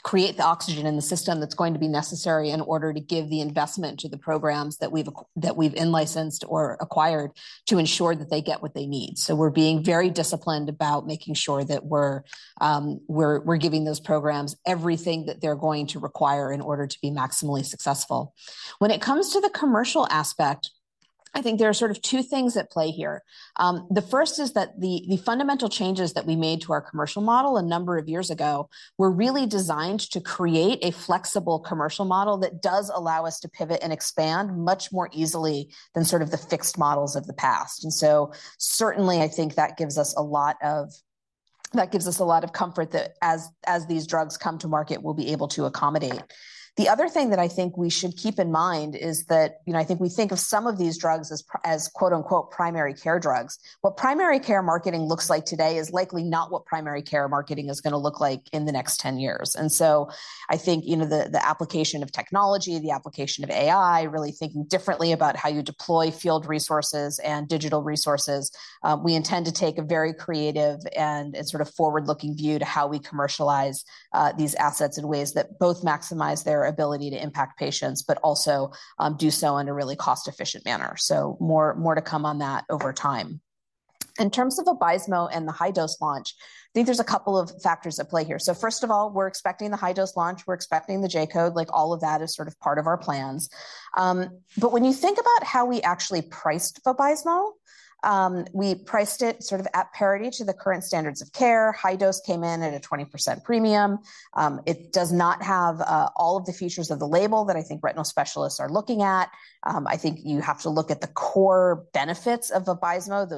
create the oxygen in the system that's going to be necessary in order to give the investment to the programs that we've in-licensed or acquired, to ensure that they get what they need. So we're being very disciplined about making sure that we're giving those programs everything that they're going to require in order to be maximally successful. When it comes to the commercial aspect, I think there are sort of two things at play here. The first is that the fundamental changes that we made to our commercial model a number of years ago were really designed to create a flexible commercial model that does allow us to pivot and expand much more easily than sort of the fixed models of the past. And so certainly, I think that gives us a lot of, that gives us a lot of comfort that as these drugs come to market, we'll be able to accommodate. The other thing that I think we should keep in mind is that, you know, I think we think of some of these drugs as "primary care drugs." What primary care marketing looks like today is likely not what primary care marketing is going to look like in the next ten years. So I think, you know, the application of technology, the application of AI, really thinking differently about how you deploy field resources and digital resources, we intend to take a very creative and sort of forward-looking view to how we commercialize these assets in ways that both maximize their ability to impact patients, but also do so in a really cost-efficient manner. So more to come on that over time. In terms of Vabysmo and the high-dose launch, I think there's a couple of factors at play here. So first of all, we're expecting the high-dose launch, we're expecting the J-code, like, all of that is sort of part of our plans. But when you think about how we actually priced Vabysmo, we priced it sort of at parity to the current standards of care. High dose came in at a 20% premium. It does not have all of the features of the label that I think retinal specialists are looking at. I think you have to look at the core benefits of Vabysmo,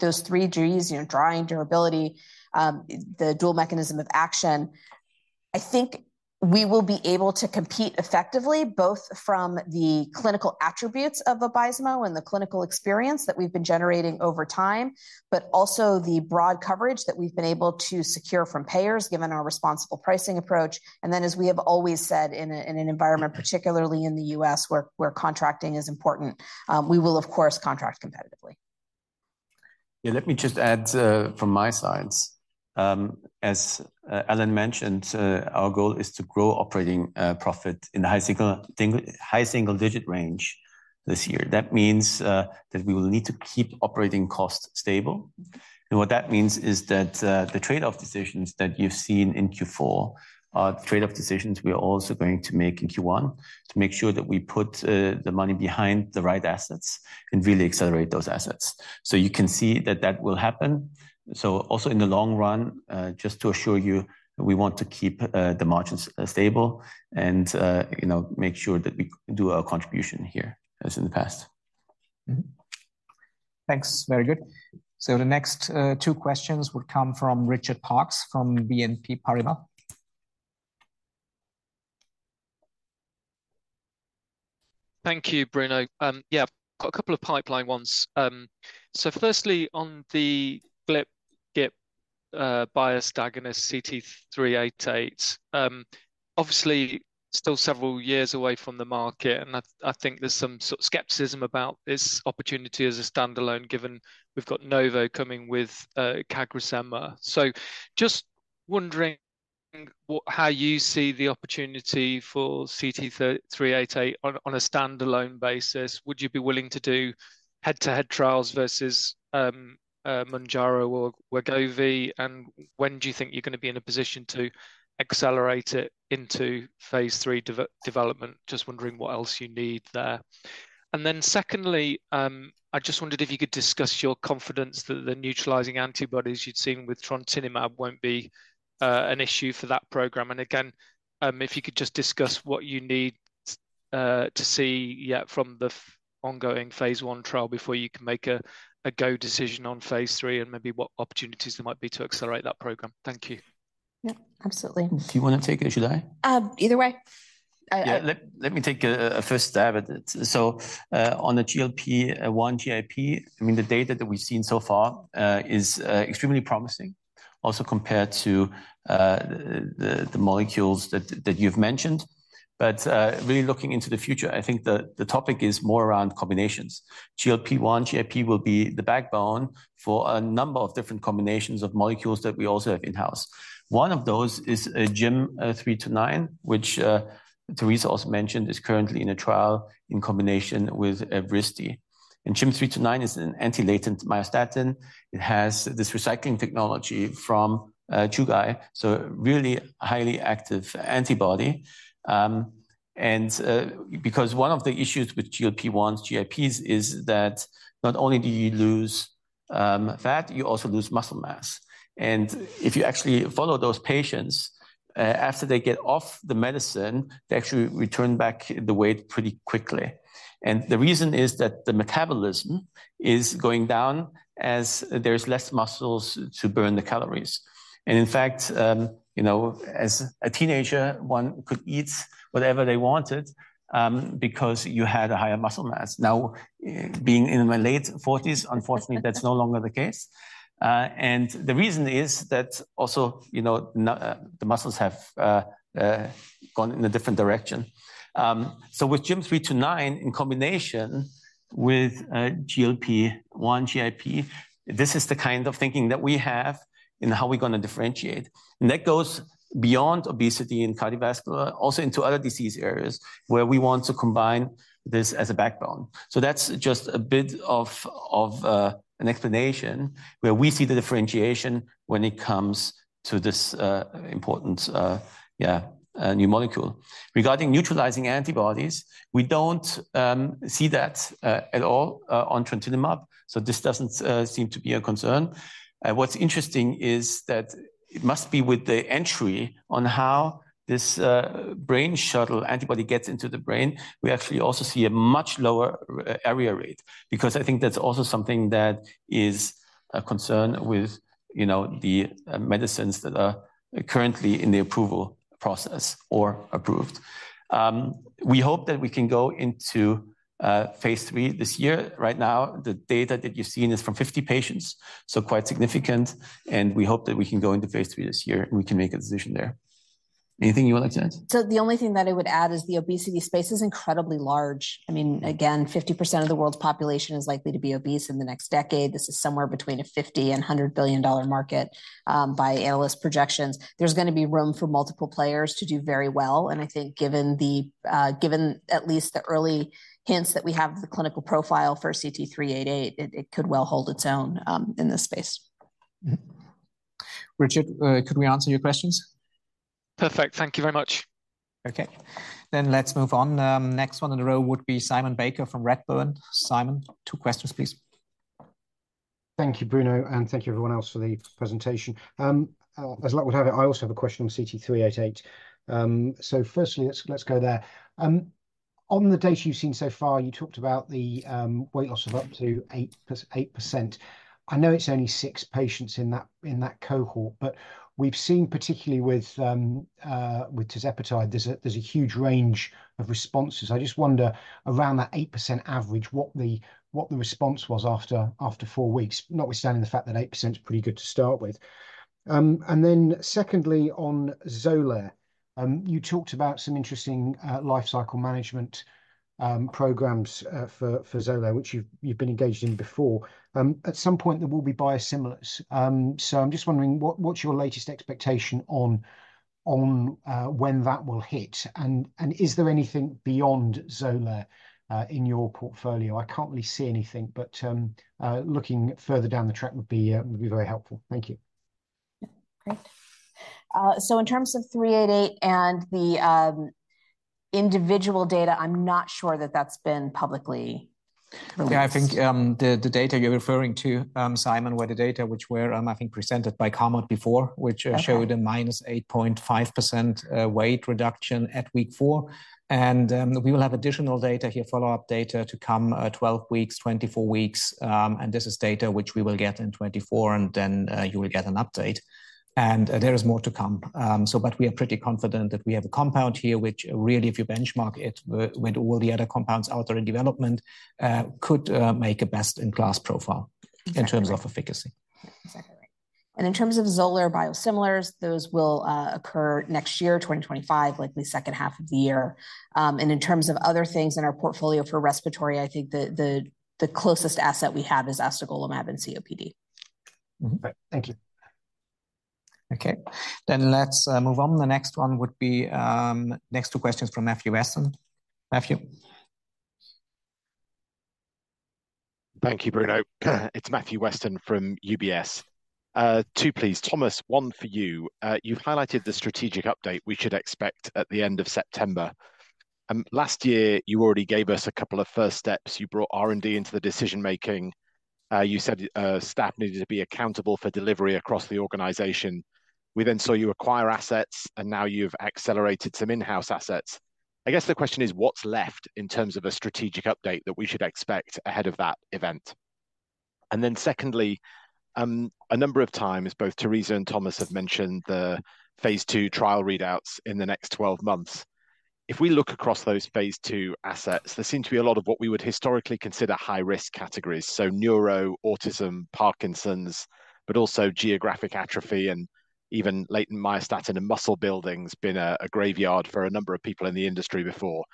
those three Ds, you know, drying, durability, the dual mechanism of action. I think we will be able to compete effectively, both from the clinical attributes of Vabysmo and the clinical experience that we've been generating over time, but also the broad coverage that we've been able to secure from payers, given our responsible pricing approach. And then, as we have always said, in an environment, particularly in the U.S., where contracting is important, we will, of course, contract competitively. Yeah, let me just add from my sides. As Alan mentioned, our goal is to grow operating profit in the high single-digit range this year. That means that we will need to keep operating costs stable. And what that means is that the trade-off decisions that you've seen in Q4 are trade-off decisions we are also going to make in Q1, to make sure that we put the money behind the right assets and really accelerate those assets. So you can see that that will happen. So also in the long run, just to assure you, we want to keep the margins stable and, you know, make sure that we do our contribution here, as in the past. Mm-hmm. Thanks. Very good. The next two questions would come from Richard Parkes, from BNP Paribas. Thank you, Bruno. Yeah, I've got a couple of pipeline ones. So firstly, on the GLP-GIP biased agonist, CT-388, obviously, still several years away from the market, and I think there's some sort of skepticism about this opportunity as a standalone, given we've got Novo coming with CagriSema. So just wondering what - how you see the opportunity for CT-388 on a standalone basis, would you be willing to do head-to-head trials versus Mounjaro or Wegovy? And when do you think you're going to be in a position to accelerate it into phase III development? Just wondering what else you need there. And then secondly, I just wondered if you could discuss your confidence that the neutralizing antibodies you'd seen with trontinemab won't be an issue for that program. Again, if you could just discuss what you need to see, yeah, from the ongoing phase I trial before you can make a go decision on phase III and maybe what opportunities there might be to accelerate that program. Thank you. Yeah, absolutely. Do you want to take it or should I? Either way. Yeah, let me take a first stab at it. So, on the GLP-1, GIP, I mean, the data that we've seen so far is extremely promising, also compared to the molecules that you've mentioned. But, really looking into the future, I think the topic is more around combinations. GLP-1, GIP will be the backbone for a number of different combinations of molecules that we also have in-house. One of those is GYM329, which Teresa also mentioned, is currently in a trial in combination with Evrysdi. And GYM329 is an anti-latent myostatin. It has this recycling technology from Chugai, so really highly active antibody. And because one of the issues with GLP-1s, GIPs, is that not only do you lose fat, you also lose muscle mass. If you actually follow those patients, after they get off the medicine, they actually return back the weight pretty quickly. And the reason is that the metabolism is going down as there's less muscles to burn the calories. And in fact, you know, as a teenager, one could eat whatever they wanted, because you had a higher muscle mass. Now, being in my late forties, unfortunately, that's no longer the case. And the reason is that also, you know, the muscles have gone in a different direction. So with GYM329 in combination with GLP-1, GIP, this is the kind of thinking that we have in how we're going to differentiate. And that goes beyond obesity and cardiovascular, also into other disease areas, where we want to combine this as a backbone. So that's just a bit of an explanation where we see the differentiation when it comes to this important new molecule. Regarding neutralizing antibodies, we don't see that at all on trontinemab. So this doesn't seem to be a concern. What's interesting is that it must be with the entry on how this Brain Shuttle antibody gets into the brain. We actually also see a much lower area rate, because I think that's also something that is a concern with, you know, the medicines that are currently in the approval process or approved. We hope that we can go into phase III this year. Right now, the data that you've seen is from 50 patients, so quite significant, and we hope that we can go into phase III this year, and we can make a decision there. Anything you would like to add? So the only thing that I would add is the obesity space is incredibly large. I mean, again, 50% of the world's population is likely to be obese in the next decade. This is somewhere between a $50-$100 billion market, by analyst projections. There's going to be room for multiple players to do very well, and I think given at least the early hints that we have of the clinical profile for CT-388, it could well hold its own, in this space. Mm-hmm. Richard, did we answer your questions? Perfect. Thank you very much. Okay, then let's move on. Next one in a row would be Simon Baker from Redburn. Simon, two questions, please. Thank you, Bruno, and thank you everyone else for the presentation. As luck would have it, I also have a question on CT-388. So firstly, let's go there. On the data you've seen so far, you talked about the weight loss of up to 8%. I know it's only six patients in that cohort, but we've seen, particularly with tirzepatide, there's a huge range of responses. I just wonder around that 8% average, what the response was after four weeks, notwithstanding the fact that 8% is pretty good to start with. And then secondly, on Xolair, you talked about some interesting life cycle management programs for Xolair, which you've been engaged in before. At some point there will be biosimilars. So I'm just wondering, what's your latest expectation on when that will hit? And is there anything beyond Xolair in your portfolio? I can't really see anything, but looking further down the track would be very helpful. Thank you. Yeah. Great. So in terms of 388 and the individual data, I'm not sure that that's been publicly released. Yeah, I think the data you're referring to, Simon, were the data which were, I think, presented by Carmot before. Okay. Which showed a -8.5% weight reduction at week four. And, we will have additional data here, follow-up data to come, 12 weeks, 24 weeks, and this is data which we will get in 2024, and then, you will get an update. And there is more to come. So but we are pretty confident that we have a compound here, which really, if you benchmark it with all the other compounds out there in development, could, make a best-in-class profile. Exactly. in terms of efficacy. Exactly right. And in terms of Xolair biosimilars, those will occur next year, 2025, likely second half of the year. And in terms of other things in our portfolio for respiratory, I think the, the, the closest asset we have is astegolimab in COPD. Mm-hmm. Thank you. Okay, then let's move on. The next one would be next two questions from Matthew Weston. Matthew? Thank you, Bruno. It's Matthew Weston from UBS. Two, please. Thomas, one for you. You've highlighted the strategic update we should expect at the end of September. Last year, you already gave us a couple of first steps. You brought R&D into the decision-making. You said staff needed to be accountable for delivery across the organization. We then saw you acquire assets, and now you've accelerated some in-house assets. I guess the question is, what's left in terms of a strategic update that we should expect ahead of that event? And then secondly, a number of times, both Teresa and Thomas have mentioned the phase II trial readouts in the next 12 months. If we look across those phase II assets, there seem to be a lot of what we would historically consider high-risk categories, so neuro, autism, Parkinson's, but also geographic atrophy and even latent myostatin and muscle building's been a graveyard for a number of people in the industry before.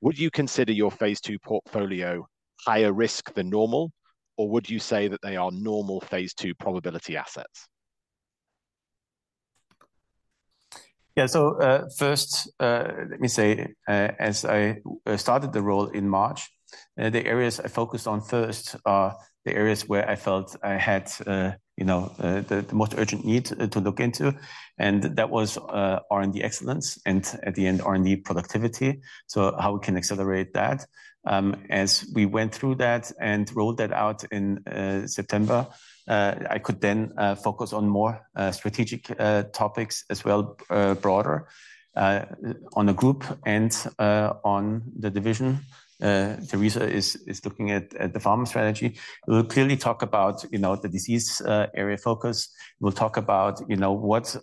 Would you consider your phase II portfolio higher risk than normal, or would you say that they are normal phase II probability assets? Yeah, so, first, let me say, as I started the role in March. The areas I focused on first are the areas where I felt I had, you know, the most urgent need to look into, and that was R&D excellence, and at the end, R&D productivity. So how we can accelerate that. As we went through that and rolled that out in September, I could then focus on more strategic topics as well, broader on the group and on the division. Teresa is looking at the pharma strategy. We'll clearly talk about, you know, the disease area focus. We'll talk about, you know, what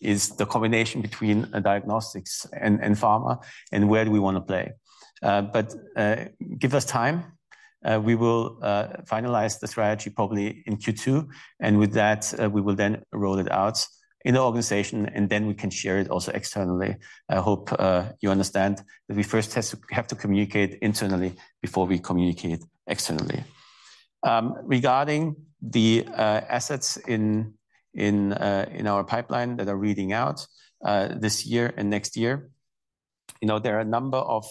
is the combination between diagnostics and pharma, and where do we want to play? But give us time. We will finalize the strategy probably in Q2, and with that, we will then roll it out in the organization, and then we can share it also externally. I hope you understand that we first have to communicate internally before we communicate externally. Regarding the assets in our pipeline that are reading out this year and next year, you know, there are a number of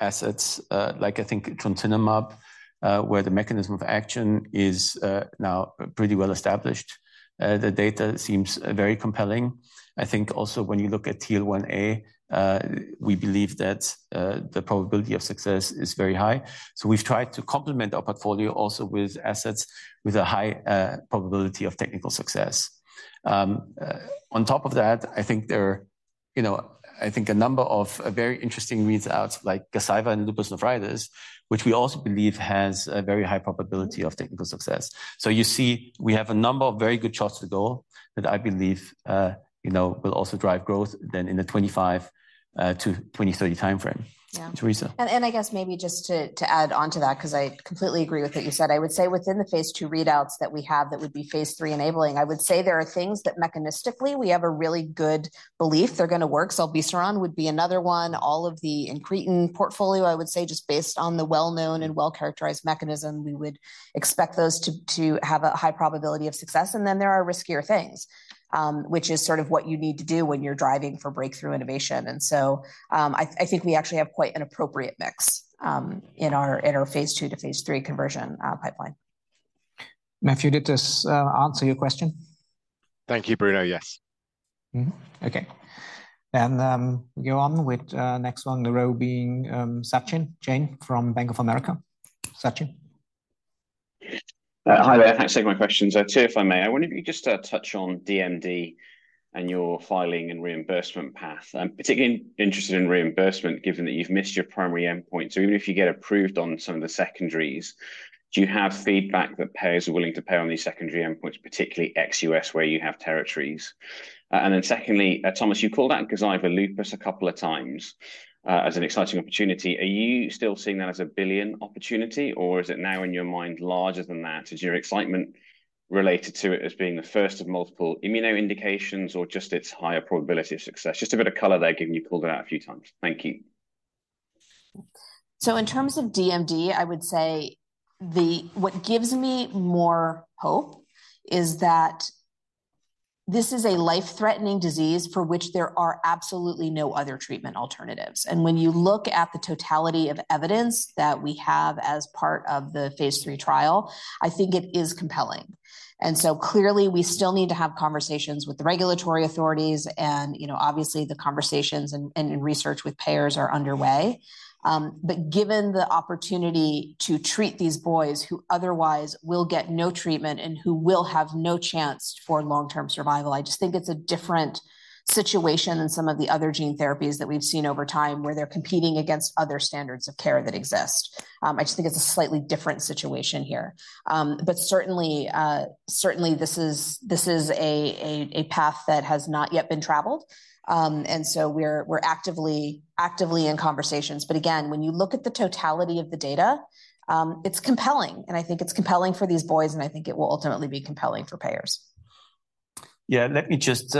assets like, I think trontinemab, where the mechanism of action is now pretty well established. The data seems very compelling. I think also when you look at TL1A, we believe that the probability of success is very high. So we've tried to complement our portfolio also with assets with a high probability of technical success. On top of that, I think there are, you know, I think a number of very interesting reads out, like Gazyva and lupus nephritis, which we also believe has a very high probability of technical success. So you see, we have a number of very good shots to go that I believe, you know, will also drive growth than in the 2025-2030 timeframe. Yeah. Teresa. And I guess maybe just to add on to that, 'cause I completely agree with what you said, I would say within the phase II readouts that we have, that would be phase III enabling, I would say there are things that mechanistically, we have a really good belief they're going to work. Zilebesiran would be another one. All of the incretin portfolio, I would say, just based on the well-known and well-characterized mechanism, we would expect those to have a high probability of success. And then there are riskier things, which is sort of what you need to do when you're driving for breakthrough innovation. And so, I think we actually have quite an appropriate mix in our phase II to phase III conversion pipeline. Matthew, did this answer your question? Thank you, Bruno. Yes. Mm-hmm. Okay. And go on with next one, the row being Sachin Jain from Bank of America. Sachin? Hi there. Thanks for taking my questions. Two, if I may. I wonder if you just touch on DMD and your filing and reimbursement path. I'm particularly interested in reimbursement, given that you've missed your primary endpoint. So even if you get approved on some of the secondaries, do you have feedback that payers are willing to pay on these secondary endpoints, particularly ex-U.S., where you have territories? And then secondly, Thomas, you called out Gazyva lupus a couple of times as an exciting opportunity. Are you still seeing that as a 1 billion opportunity, or is it now in your mind larger than that? Is your excitement related to it as being the first of multiple immuno indications or just its higher probability of success? Just a bit of color there, given you pulled it out a few times. Thank you. So in terms of DMD, I would say what gives me more hope is that this is a life-threatening disease for which there are absolutely no other treatment alternatives. And when you look at the totality of evidence that we have as part of the phase III trial, I think it is compelling. And so clearly, we still need to have conversations with the regulatory authorities, and, you know, obviously, the conversations and research with payers are underway. But given the opportunity to treat these boys who otherwise will get no treatment and who will have no chance for long-term survival, I just think it's a different situation than some of the other gene therapies that we've seen over time, where they're competing against other standards of care that exist. I just think it's a slightly different situation here. But certainly, certainly, this is a path that has not yet been traveled. And so we're actively in conversations. But again, when you look at the totality of the data, it's compelling, and I think it's compelling for these boys, and I think it will ultimately be compelling for payers. Yeah, let me just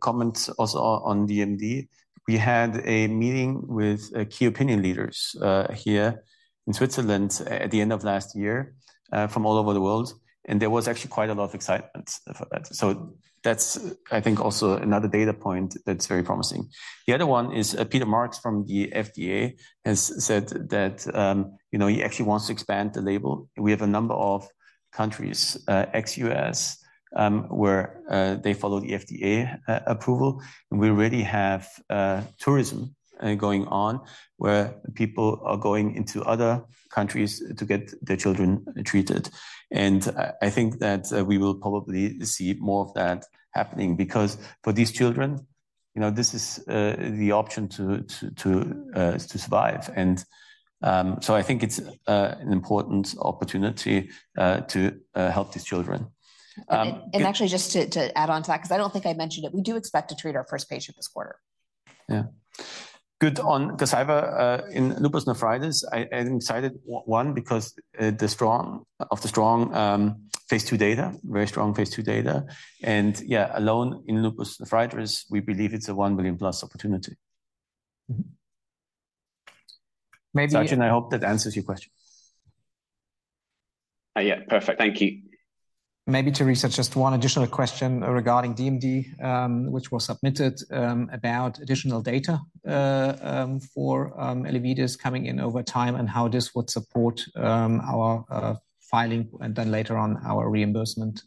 comment also on DMD. We had a meeting with key opinion leaders here in Switzerland at the end of last year from all over the world, and there was actually quite a lot of excitement for that. So that's, I think, also another data point that's very promising. The other one is Peter Marks from the FDA has said that you know he actually wants to expand the label. We have a number of countries ex-U.S. where they follow the FDA approval, and we already have tourism going on where people are going into other countries to get their children treated. And I think that we will probably see more of that happening, because for these children, you know, this is the option to survive. And, so I think it's an important opportunity to help these children. Actually, just to add on to that, because I don't think I mentioned it, we do expect to treat our first patient this quarter. Yeah. Good. On Gazyva, in lupus nephritis, I'm excited, one, because the strength of the strong phase II data, very strong phase II data. Yeah, alone in lupus nephritis, we believe it's a 1 billion plus opportunity. Mm-hmm. Maybe. Sachin, I hope that answers your question. Yeah, perfect. Thank you. Maybe, Teresa, just one additional question regarding DMD, which was submitted, about additional data for Elevidys coming in over time and how this would support our filing, and then later on, our reimbursement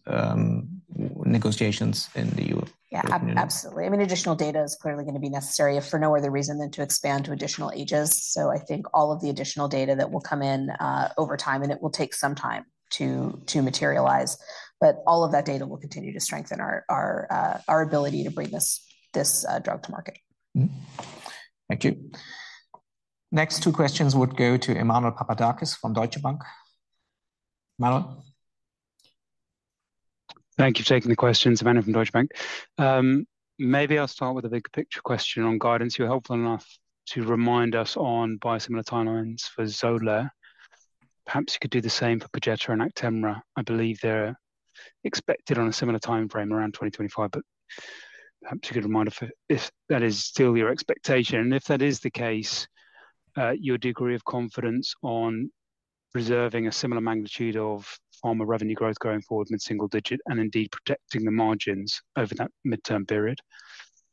negotiations in the U.S. Yeah, absolutely. I mean, additional data is clearly going to be necessary, if for no other reason than to expand to additional ages. So I think all of the additional data that will come in over time, and it will take some time to materialize, but all of that data will continue to strengthen our ability to bring this drug to market. Mm-hmm. Thank you. Next two questions would go to Emmanuel Papadakis from Deutsche Bank. Emmanuel? Thank you for taking the questions. Emmanuel from Deutsche Bank. Maybe I'll start with a big picture question on guidance. You were helpful enough to remind us on biosimilar timelines for Xolair. Perhaps you could do the same for Perjeta and Actemra. I believe they're expected on a similar timeframe around 2025, but perhaps you could remind us if that is still your expectation, and if that is the case, your degree of confidence on preserving a similar magnitude of pharma revenue growth going forward in mid-single digit, and indeed, protecting the margins over that midterm period.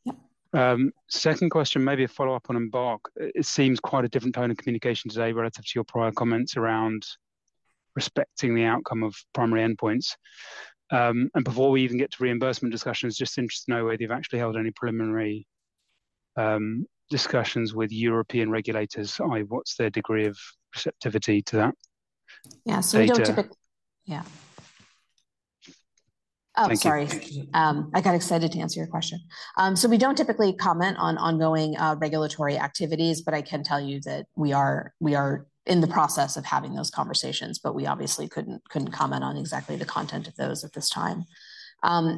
Yeah. Second question, maybe a follow-up on Embark. It seems quite a different tone of communication today relative to your prior comments around respecting the outcome of primary endpoints. Before we even get to reimbursement discussions, just interested to know whether you've actually held any preliminary discussions with European regulators. i.e., what's their degree of receptivity to that? Yeah, so we don't typically. Data. Yeah. Thank you. Oh, sorry. I got excited to answer your question. So we don't typically comment on ongoing regulatory activities, but I can tell you that we are in the process of having those conversations, but we obviously couldn't comment on exactly the content of those at this time.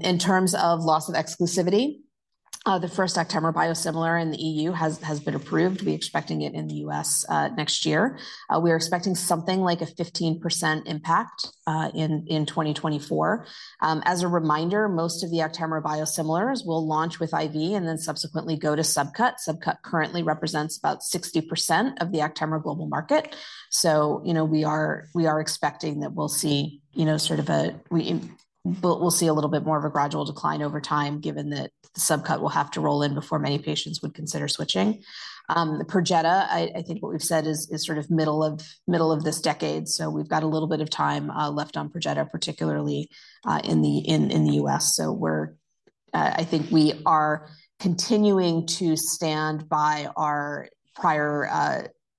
In terms of loss of exclusivity, the first Actemra biosimilar in the E.U. has been approved. We're expecting it in the U.S. next year. We are expecting something like a 15% impact in 2024. As a reminder, most of the Actemra biosimilars will launch with IV and then subsequently go to sub-cut. Sub-cut currently represents about 60% of the Actemra global market. So, you know, we are expecting that we'll see, you know, sort of a. We'll see a little bit more of a gradual decline over time, given that the sub-cut will have to roll in before many patients would consider switching. The Perjeta, I think what we've said is sort of middle of this decade, so we've got a little bit of time left on Perjeta, particularly in the U.S. So we're, I think we are continuing to stand by our prior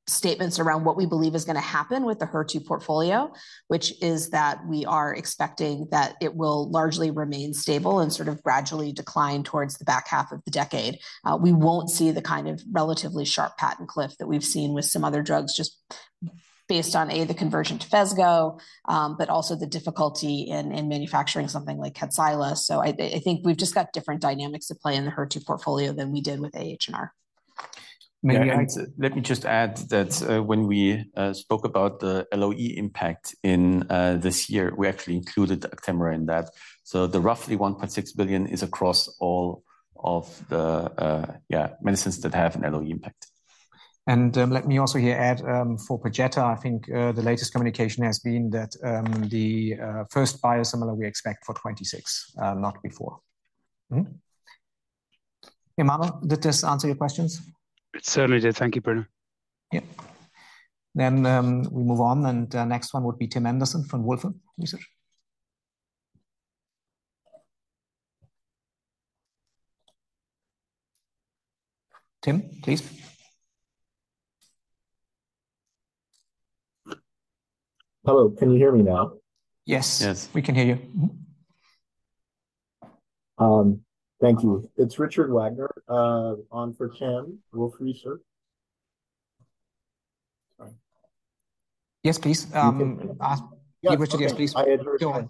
statements around what we believe is going to happen with the HER2 portfolio, which is that we are expecting that it will largely remain stable and sort of gradually decline towards the back half of the decade. We won't see the kind of relatively sharp patent cliff that we've seen with some other drugs, just based on, A, the conversion to Phesgo, but also the difficulty in manufacturing something like Kadcyla. So I think we've just got different dynamics at play in the HER2 portfolio than we did with AHR. Maybe I. Let me just add that, when we spoke about the LOE impact in this year, we actually included Actemra in that. So the roughly 1.6 billion is across all of the medicines that have an LOE impact. Let me also here add, for Perjeta, I think, the latest communication has been that the first biosimilar we expect for 2026, not before. Mm-hmm. Emmanuel, did this answer your questions? It certainly did. Thank you, Bruno. Yeah. Then, we move on, and the next one would be Tim Anderson from Wolfe Research. Tim, please. Hello, can you hear me now? Yes. Yes. We can hear you. Mm-hmm. Thank you. It's Richard Wagner, on for Tim, Wolfe Research. Sorry. Yes, please. Yeah. Richard, yes, please. Go ahead.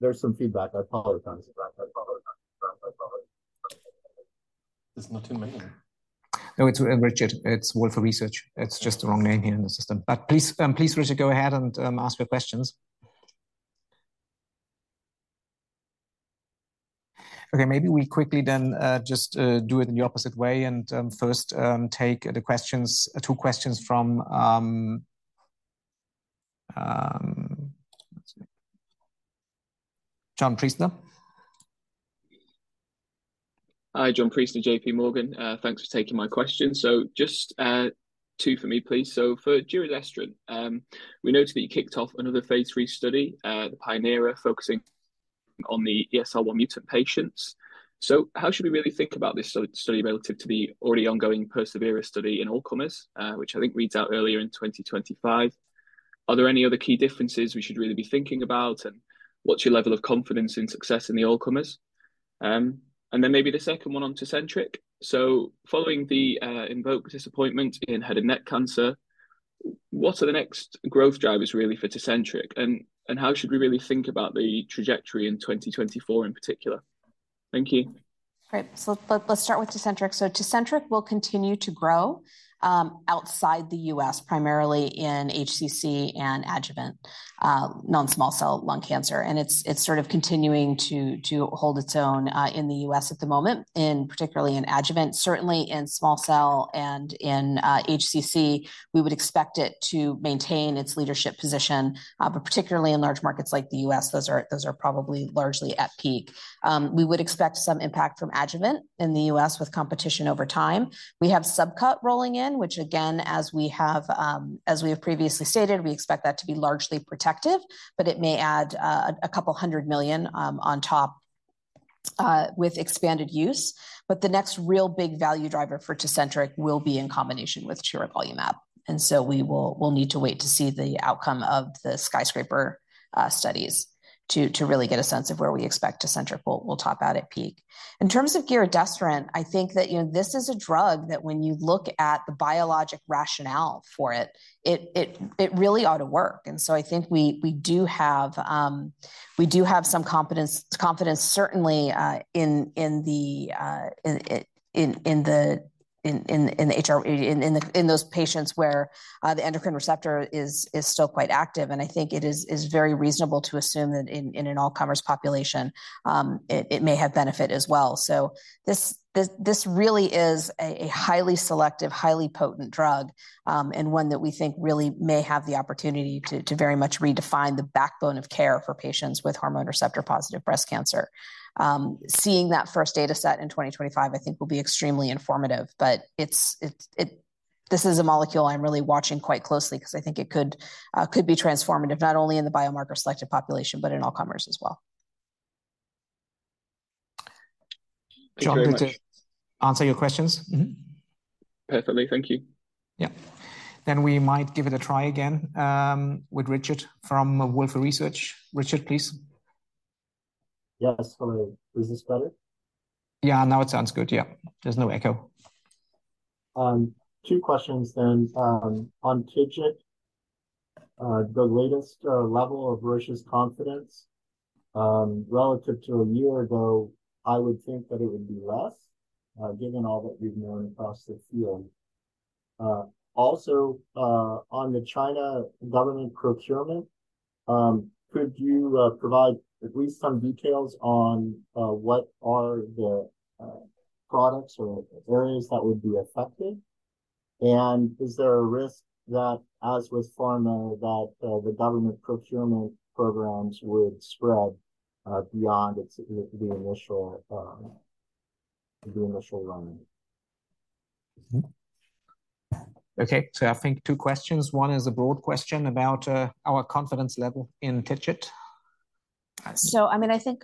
There's some feedback. I apologize for that. It's not Tim in here. No, it's Richard. It's Wolfe Research. It's just the wrong name here in the system. But please, please, Richard, go ahead and ask your questions. Okay, maybe we quickly then just do it in the opposite way, and first take the questions, two questions from, let's see, John Priestler. Hi, John Priestler, J.P. Morgan. Thanks for taking my questions. So just two for me, please. So for giredestrant, we noticed that you kicked off another phase III study, the pionERA, focusing on the ESR1 mutant patients. So how should we really think about this study relative to the already ongoing persevERA study in all comers, which I think reads out earlier in 2025? Are there any other key differences we should really be thinking about, and what's your level of confidence in success in the all comers? And then maybe the second one on Tecentriq. So following the IMvoke disappointment in head and neck cancer, what are the next growth drivers really for Tecentriq, and how should we really think about the trajectory in 2024 in particular? Thank you. Great. So let's start with Tecentriq. So Tecentriq will continue to grow outside the U.S., primarily in HCC and adjuvant non-small cell lung cancer, and it's sort of continuing to hold its own in the U.S. at the moment, particularly in adjuvant, certainly in small cell and in HCC. We would expect it to maintain its leadership position, but particularly in large markets like the U.S., those are probably largely at peak. We would expect some impact from adjuvant in the U.S. with competition over time. We have sub-cut rolling in, which again, as we have previously stated, we expect that to be largely protective, but it may add a couple hundred million on top with expanded use. But the next real big value driver for Tecentriq will be in combination with tiragolumab, and so we will—we'll need to wait to see the outcome of the SKYSCRAPER studies to really get a sense of where we expect Tecentriq will top out at peak. In terms of giredestrant, I think that, you know, this is a drug that when you look at the biologic rationale for it, it really ought to work. And so I think we do have some confidence certainly in the HR, in those patients where the endocrine receptor is still quite active. And I think it is very reasonable to assume that in an all-comers population, it may have benefit as well. This really is a highly selective, highly potent drug, and one that we think really may have the opportunity to very much redefine the backbone of care for patients with hormone receptor-positive breast cancer. Seeing that first data set in 2025, I think, will be extremely informative, but this is a molecule I'm really watching quite closely because I think it could be transformative, not only in the biomarker selective population, but in all comers as well. Thank you very much. Sean, did it answer your questions? Mm-hmm. Perfectly. Thank you. Yeah. Then we might give it a try again, with Richard from Wolfe Research. Richard, please. Yes, hello. Is this better? Yeah, now it sounds good. Yeah, there's no echo. Two questions then. On TIGIT, the latest level of Roche's confidence relative to a year ago, I would think that it would be less, given all that we've known across the field. Also, on the China government procurement, could you provide at least some details on what are the products or areas that would be affected? And is there a risk that, as with pharma, the government procurement programs would spread beyond its initial run? Mm-hmm. Okay, so I think two questions. One is a broad question about our confidence level in TIGIT. So, I mean, I think,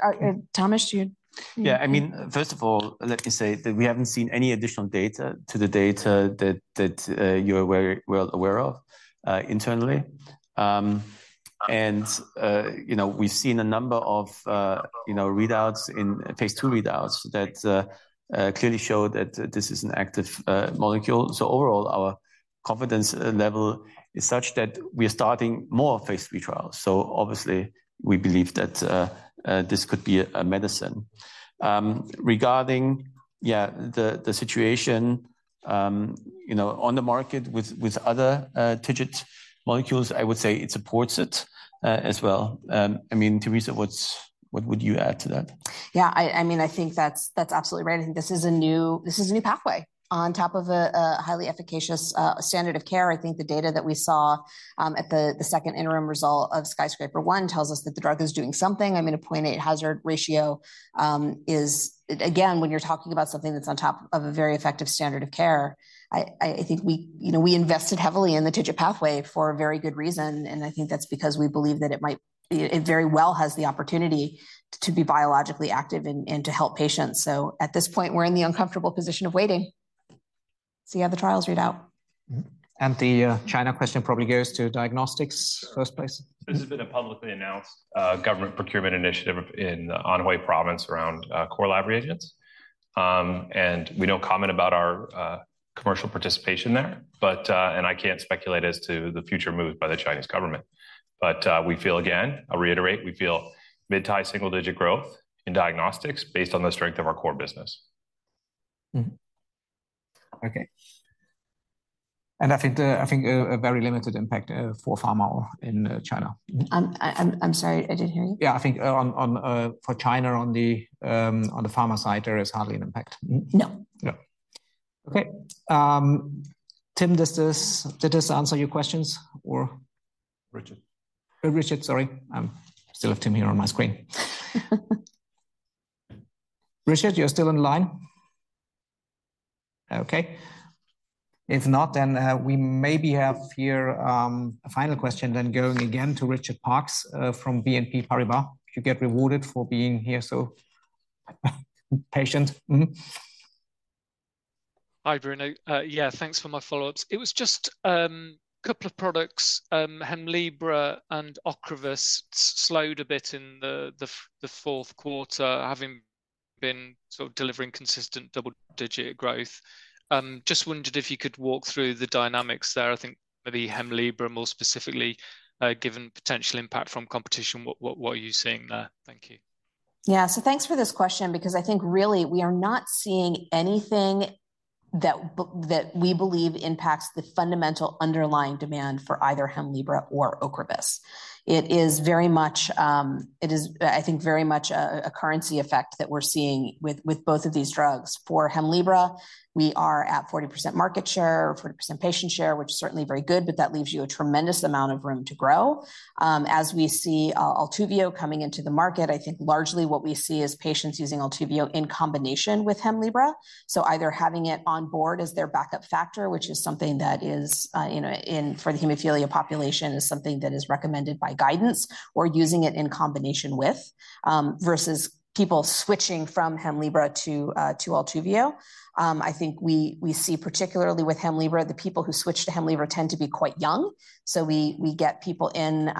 Thomas, you. Yeah. I mean, first of all, let me say that we haven't seen any additional data to the data that you're very well aware of internally. And you know, we've seen a number of you know, readouts in phase III readouts that clearly show that this is an active molecule. So overall, our confidence level is such that we are starting more phase III trials. So obviously, we believe that this could be a medicine. Regarding yeah, the situation you know, on the market with other TIGIT molecules, I would say it supports it as well. I mean, Teresa, what would you add to that? Yeah, I mean, I think that's absolutely right. I think this is a new pathway. On top of a highly efficacious standard of care, I think the data that we saw at the second interim result of SKYSCRAPER-01 tells us that the drug is doing something. I mean, a 0.8 hazard ratio is. Again, when you're talking about something that's on top of a very effective standard of care, I think, you know, we invested heavily in the TIGIT pathway for a very good reason, and I think that's because we believe that it might, it very well has the opportunity to be biologically active and to help patients. So at this point, we're in the uncomfortable position of waiting to see how the trials read out. Mm-hmm. And the China question probably goes to diagnostics first place. This has been a publicly announced government procurement initiative in Anhui Province around core lab reagents. We don't comment about our commercial participation there, but I can't speculate as to the future move by the Chinese government. We feel, again, I'll reiterate, we feel mid-to-high single-digit growth in diagnostics based on the strength of our core business. Mm-hmm. Okay. And I think a very limited impact for pharma in China. I'm sorry, I didn't hear you. Yeah, I think on for China, on the pharma side, there is hardly an impact. Mm-hmm. No. No. Okay, Tim, does this, did this answer your questions, or? Richard. Richard, sorry. I still have Tim here on my screen. Richard, you're still in line? Okay. If not, then we maybe have here a final question, then going again to Richard Parkes from BNP Paribas. You get rewarded for being here, so patient. Mm-hmm. Hi, Bruno. Yeah, thanks for my follow-ups. It was just a couple of products, Hemlibra and Ocrevus slowed a bit in the fourth quarter, having been sort of delivering consistent double-digit growth. Just wondered if you could walk through the dynamics there. I think maybe Hemlibra, more specifically, given potential impact from competition, what are you seeing there? Thank you. Yeah, so thanks for this question, because I think really we are not seeing anything that we believe impacts the fundamental underlying demand for either Hemlibra or Ocrevus. It is very much, it is, I think very much a currency effect that we're seeing with both of these drugs. For Hemlibra, we are at 40% market share, or 40% patient share, which is certainly very good, but that leaves you a tremendous amount of room to grow. As we see, ALTUVIIO coming into the market, I think largely what we see is patients using ALTUVIIO in combination with Hemlibra. So either having it on board as their backup factor, which is something that is, you know, in for the hemophilia population, is something that is recommended by guidance or using it in combination with, versus people switching from Hemlibra to, to ALTUVIIO. I think we, we see, particularly with Hemlibra, the people who switch to Hemlibra tend to be quite young. So we, we get people in,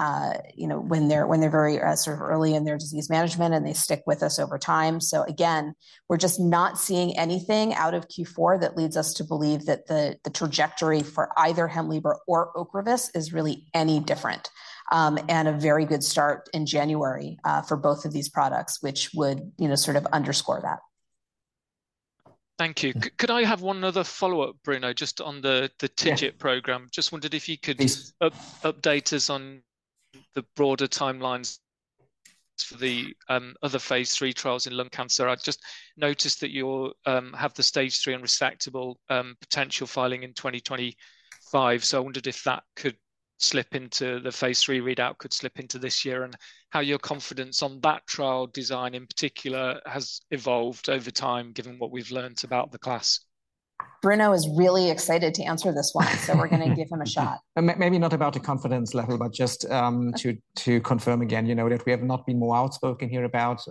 you know, when they're, when they're very, sort of early in their disease management, and they stick with us over time. So again, we're just not seeing anything out of Q4 that leads us to believe that the, the trajectory for either Hemlibra or Ocrevus is really any different. And a very good start in January, for both of these products, which would, you know, sort of underscore that. Thank you. Could I have one other follow-up, Bruno, just on the TIGIT program? Yeah. Just wondered if you could. Please. Update us on the broader timelines for the other phase III trials in lung cancer. I just noticed that you'll have the Stage III unresectable potential filing in 2025. So I wondered if that could slip into the phase III readout, could slip into this year, and how your confidence on that trial design, in particular, has evolved over time, given what we've learned about the class? Bruno is really excited to answer this one, so we're going to give him a shot. Maybe not about the confidence level, but just to confirm again, you know, that we have not been more outspoken here about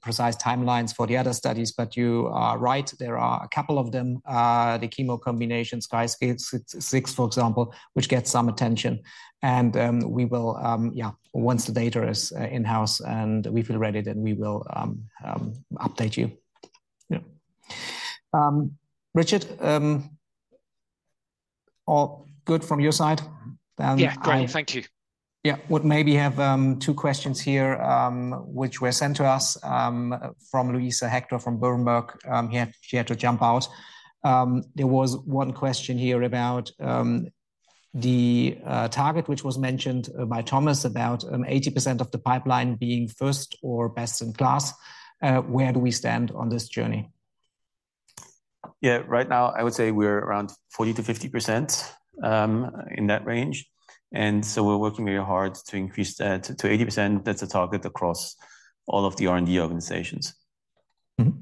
precise timelines for the other studies. But you are right, there are a couple of them, the chemo combination, SKYSCRAPER-06, for example, which gets some attention. We will, once the data is in-house and we feel ready, then we will update you. Yeah. Richard, all good from your side? Then I. Yeah, great. Thank you. Yeah. Would maybe have two questions here, which were sent to us, from Luisa Hector, from Berenberg. She had to jump out. There was one question here about the target, which was mentioned by Thomas, about 80% of the pipeline being first or best-in-class. Where do we stand on this journey? Yeah. Right now, I would say we're around 40%-50% in that range, and so we're working very hard to increase that to 80%. That's the target across all of the R&D organizations. Mm-hmm.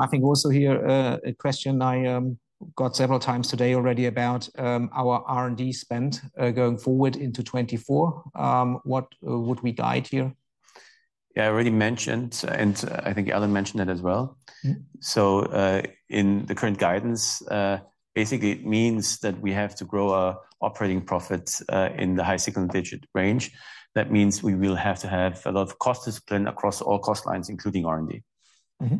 I think also here, a question I got several times today already about our R&D spend going forward into 2024. What would we guide here? Yeah, I already mentioned, and I think Alan mentioned it as well. Mm-hmm. So, in the current guidance, basically it means that we have to grow our operating profit, in the high single-digit range. That means we will have to have a lot of cost discipline across all cost lines, including R&D. Mm-hmm.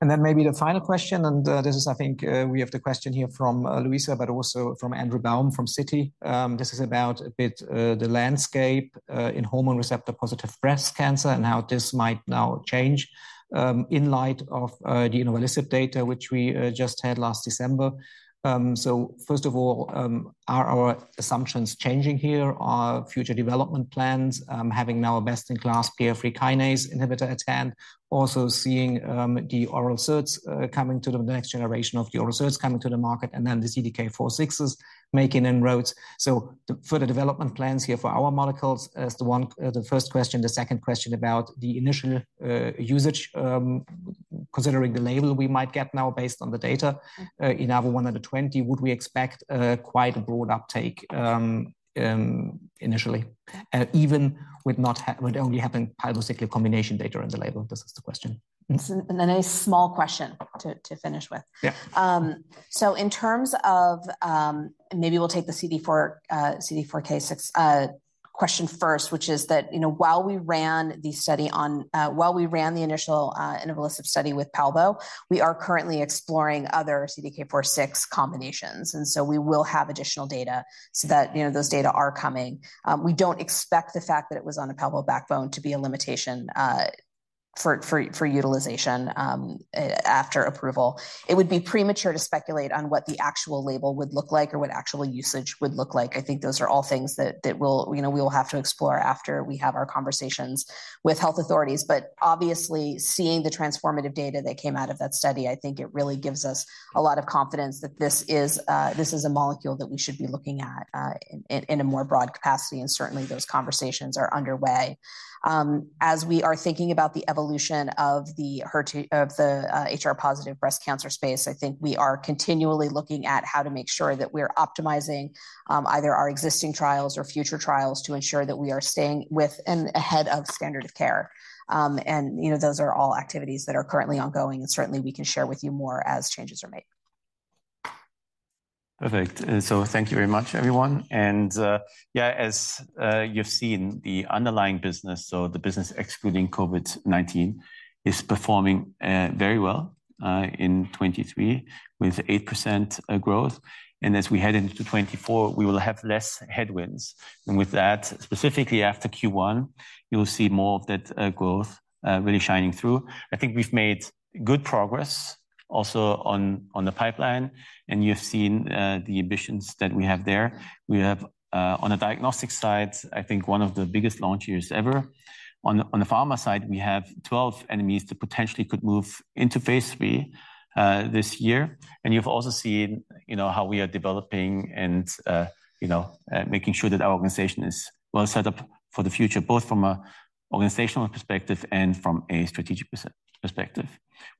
And then maybe the final question, and, this is, I think, we have the question here from, Luisa, but also from Andrew Baum, from Citi. This is about a bit, the landscape, in hormone receptor positive breast cancer and how this might now change, in light of, the INAVO data which we, just had last December. So first of all, are our assumptions changing here, our future development plans, having now a best-in-class PI3K inhibitor at hand, also seeing, the oral SERD coming to the next generation of the oral SERD coming to the market, and then the CDK4/6s making inroads? So for the development plans here for our molecules is the one—the first question. The second question about the initial usage, considering the label we might get now based on the data in INAVO120, would we expect quite a broad uptake initially? Even with only having palbociclib combination data in the label. This is the question. It's a nice small question to finish with. Yeah. So in terms of. Maybe we'll take the CDK4/6 question first, which is that, you know, while we ran the study on, while we ran the initial interval of study with palbo, we are currently exploring other CDK4/6 combinations, and so we will have additional data so that, you know, those data are coming. We don't expect the fact that it was on a palbo backbone to be a limitation, for utilization, after approval. It would be premature to speculate on what the actual label would look like or what actual usage would look like. I think those are all things that we'll, you know, we will have to explore after we have our conversations with health authorities. But obviously, seeing the transformative data that came out of that study, I think it really gives us a lot of confidence that this is a molecule that we should be looking at in a more broad capacity, and certainly, those conversations are underway. As we are thinking about the evolution of the HER2- of the HR-positive breast cancer space, I think we are continually looking at how to make sure that we're optimizing either our existing trials or future trials to ensure that we are staying with and ahead of standard of care. And, you know, those are all activities that are currently ongoing, and certainly, we can share with you more as changes are made. Perfect. And so thank you very much, everyone. And yeah, as you've seen the underlying business, so the business excluding COVID-19, is performing very well in 2023, with 8% growth. And as we head into 2024, we will have less headwinds. And with that, specifically after Q1, you'll see more of that growth really shining through. I think we've made good progress also on the pipeline, and you've seen the ambitions that we have there. We have on the diagnostic side, I think one of the biggest launch years ever. On the pharma side, we have 12 NMEs that potentially could move into phase III this year. You've also seen, you know, how we are developing and making sure that our organization is well set up for the future, both from an organizational perspective and from a strategic perspective.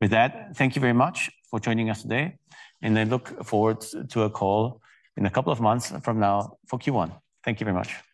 With that, thank you very much for joining us today, and I look forward to a call in a couple of months from now for Q1. Thank you very much.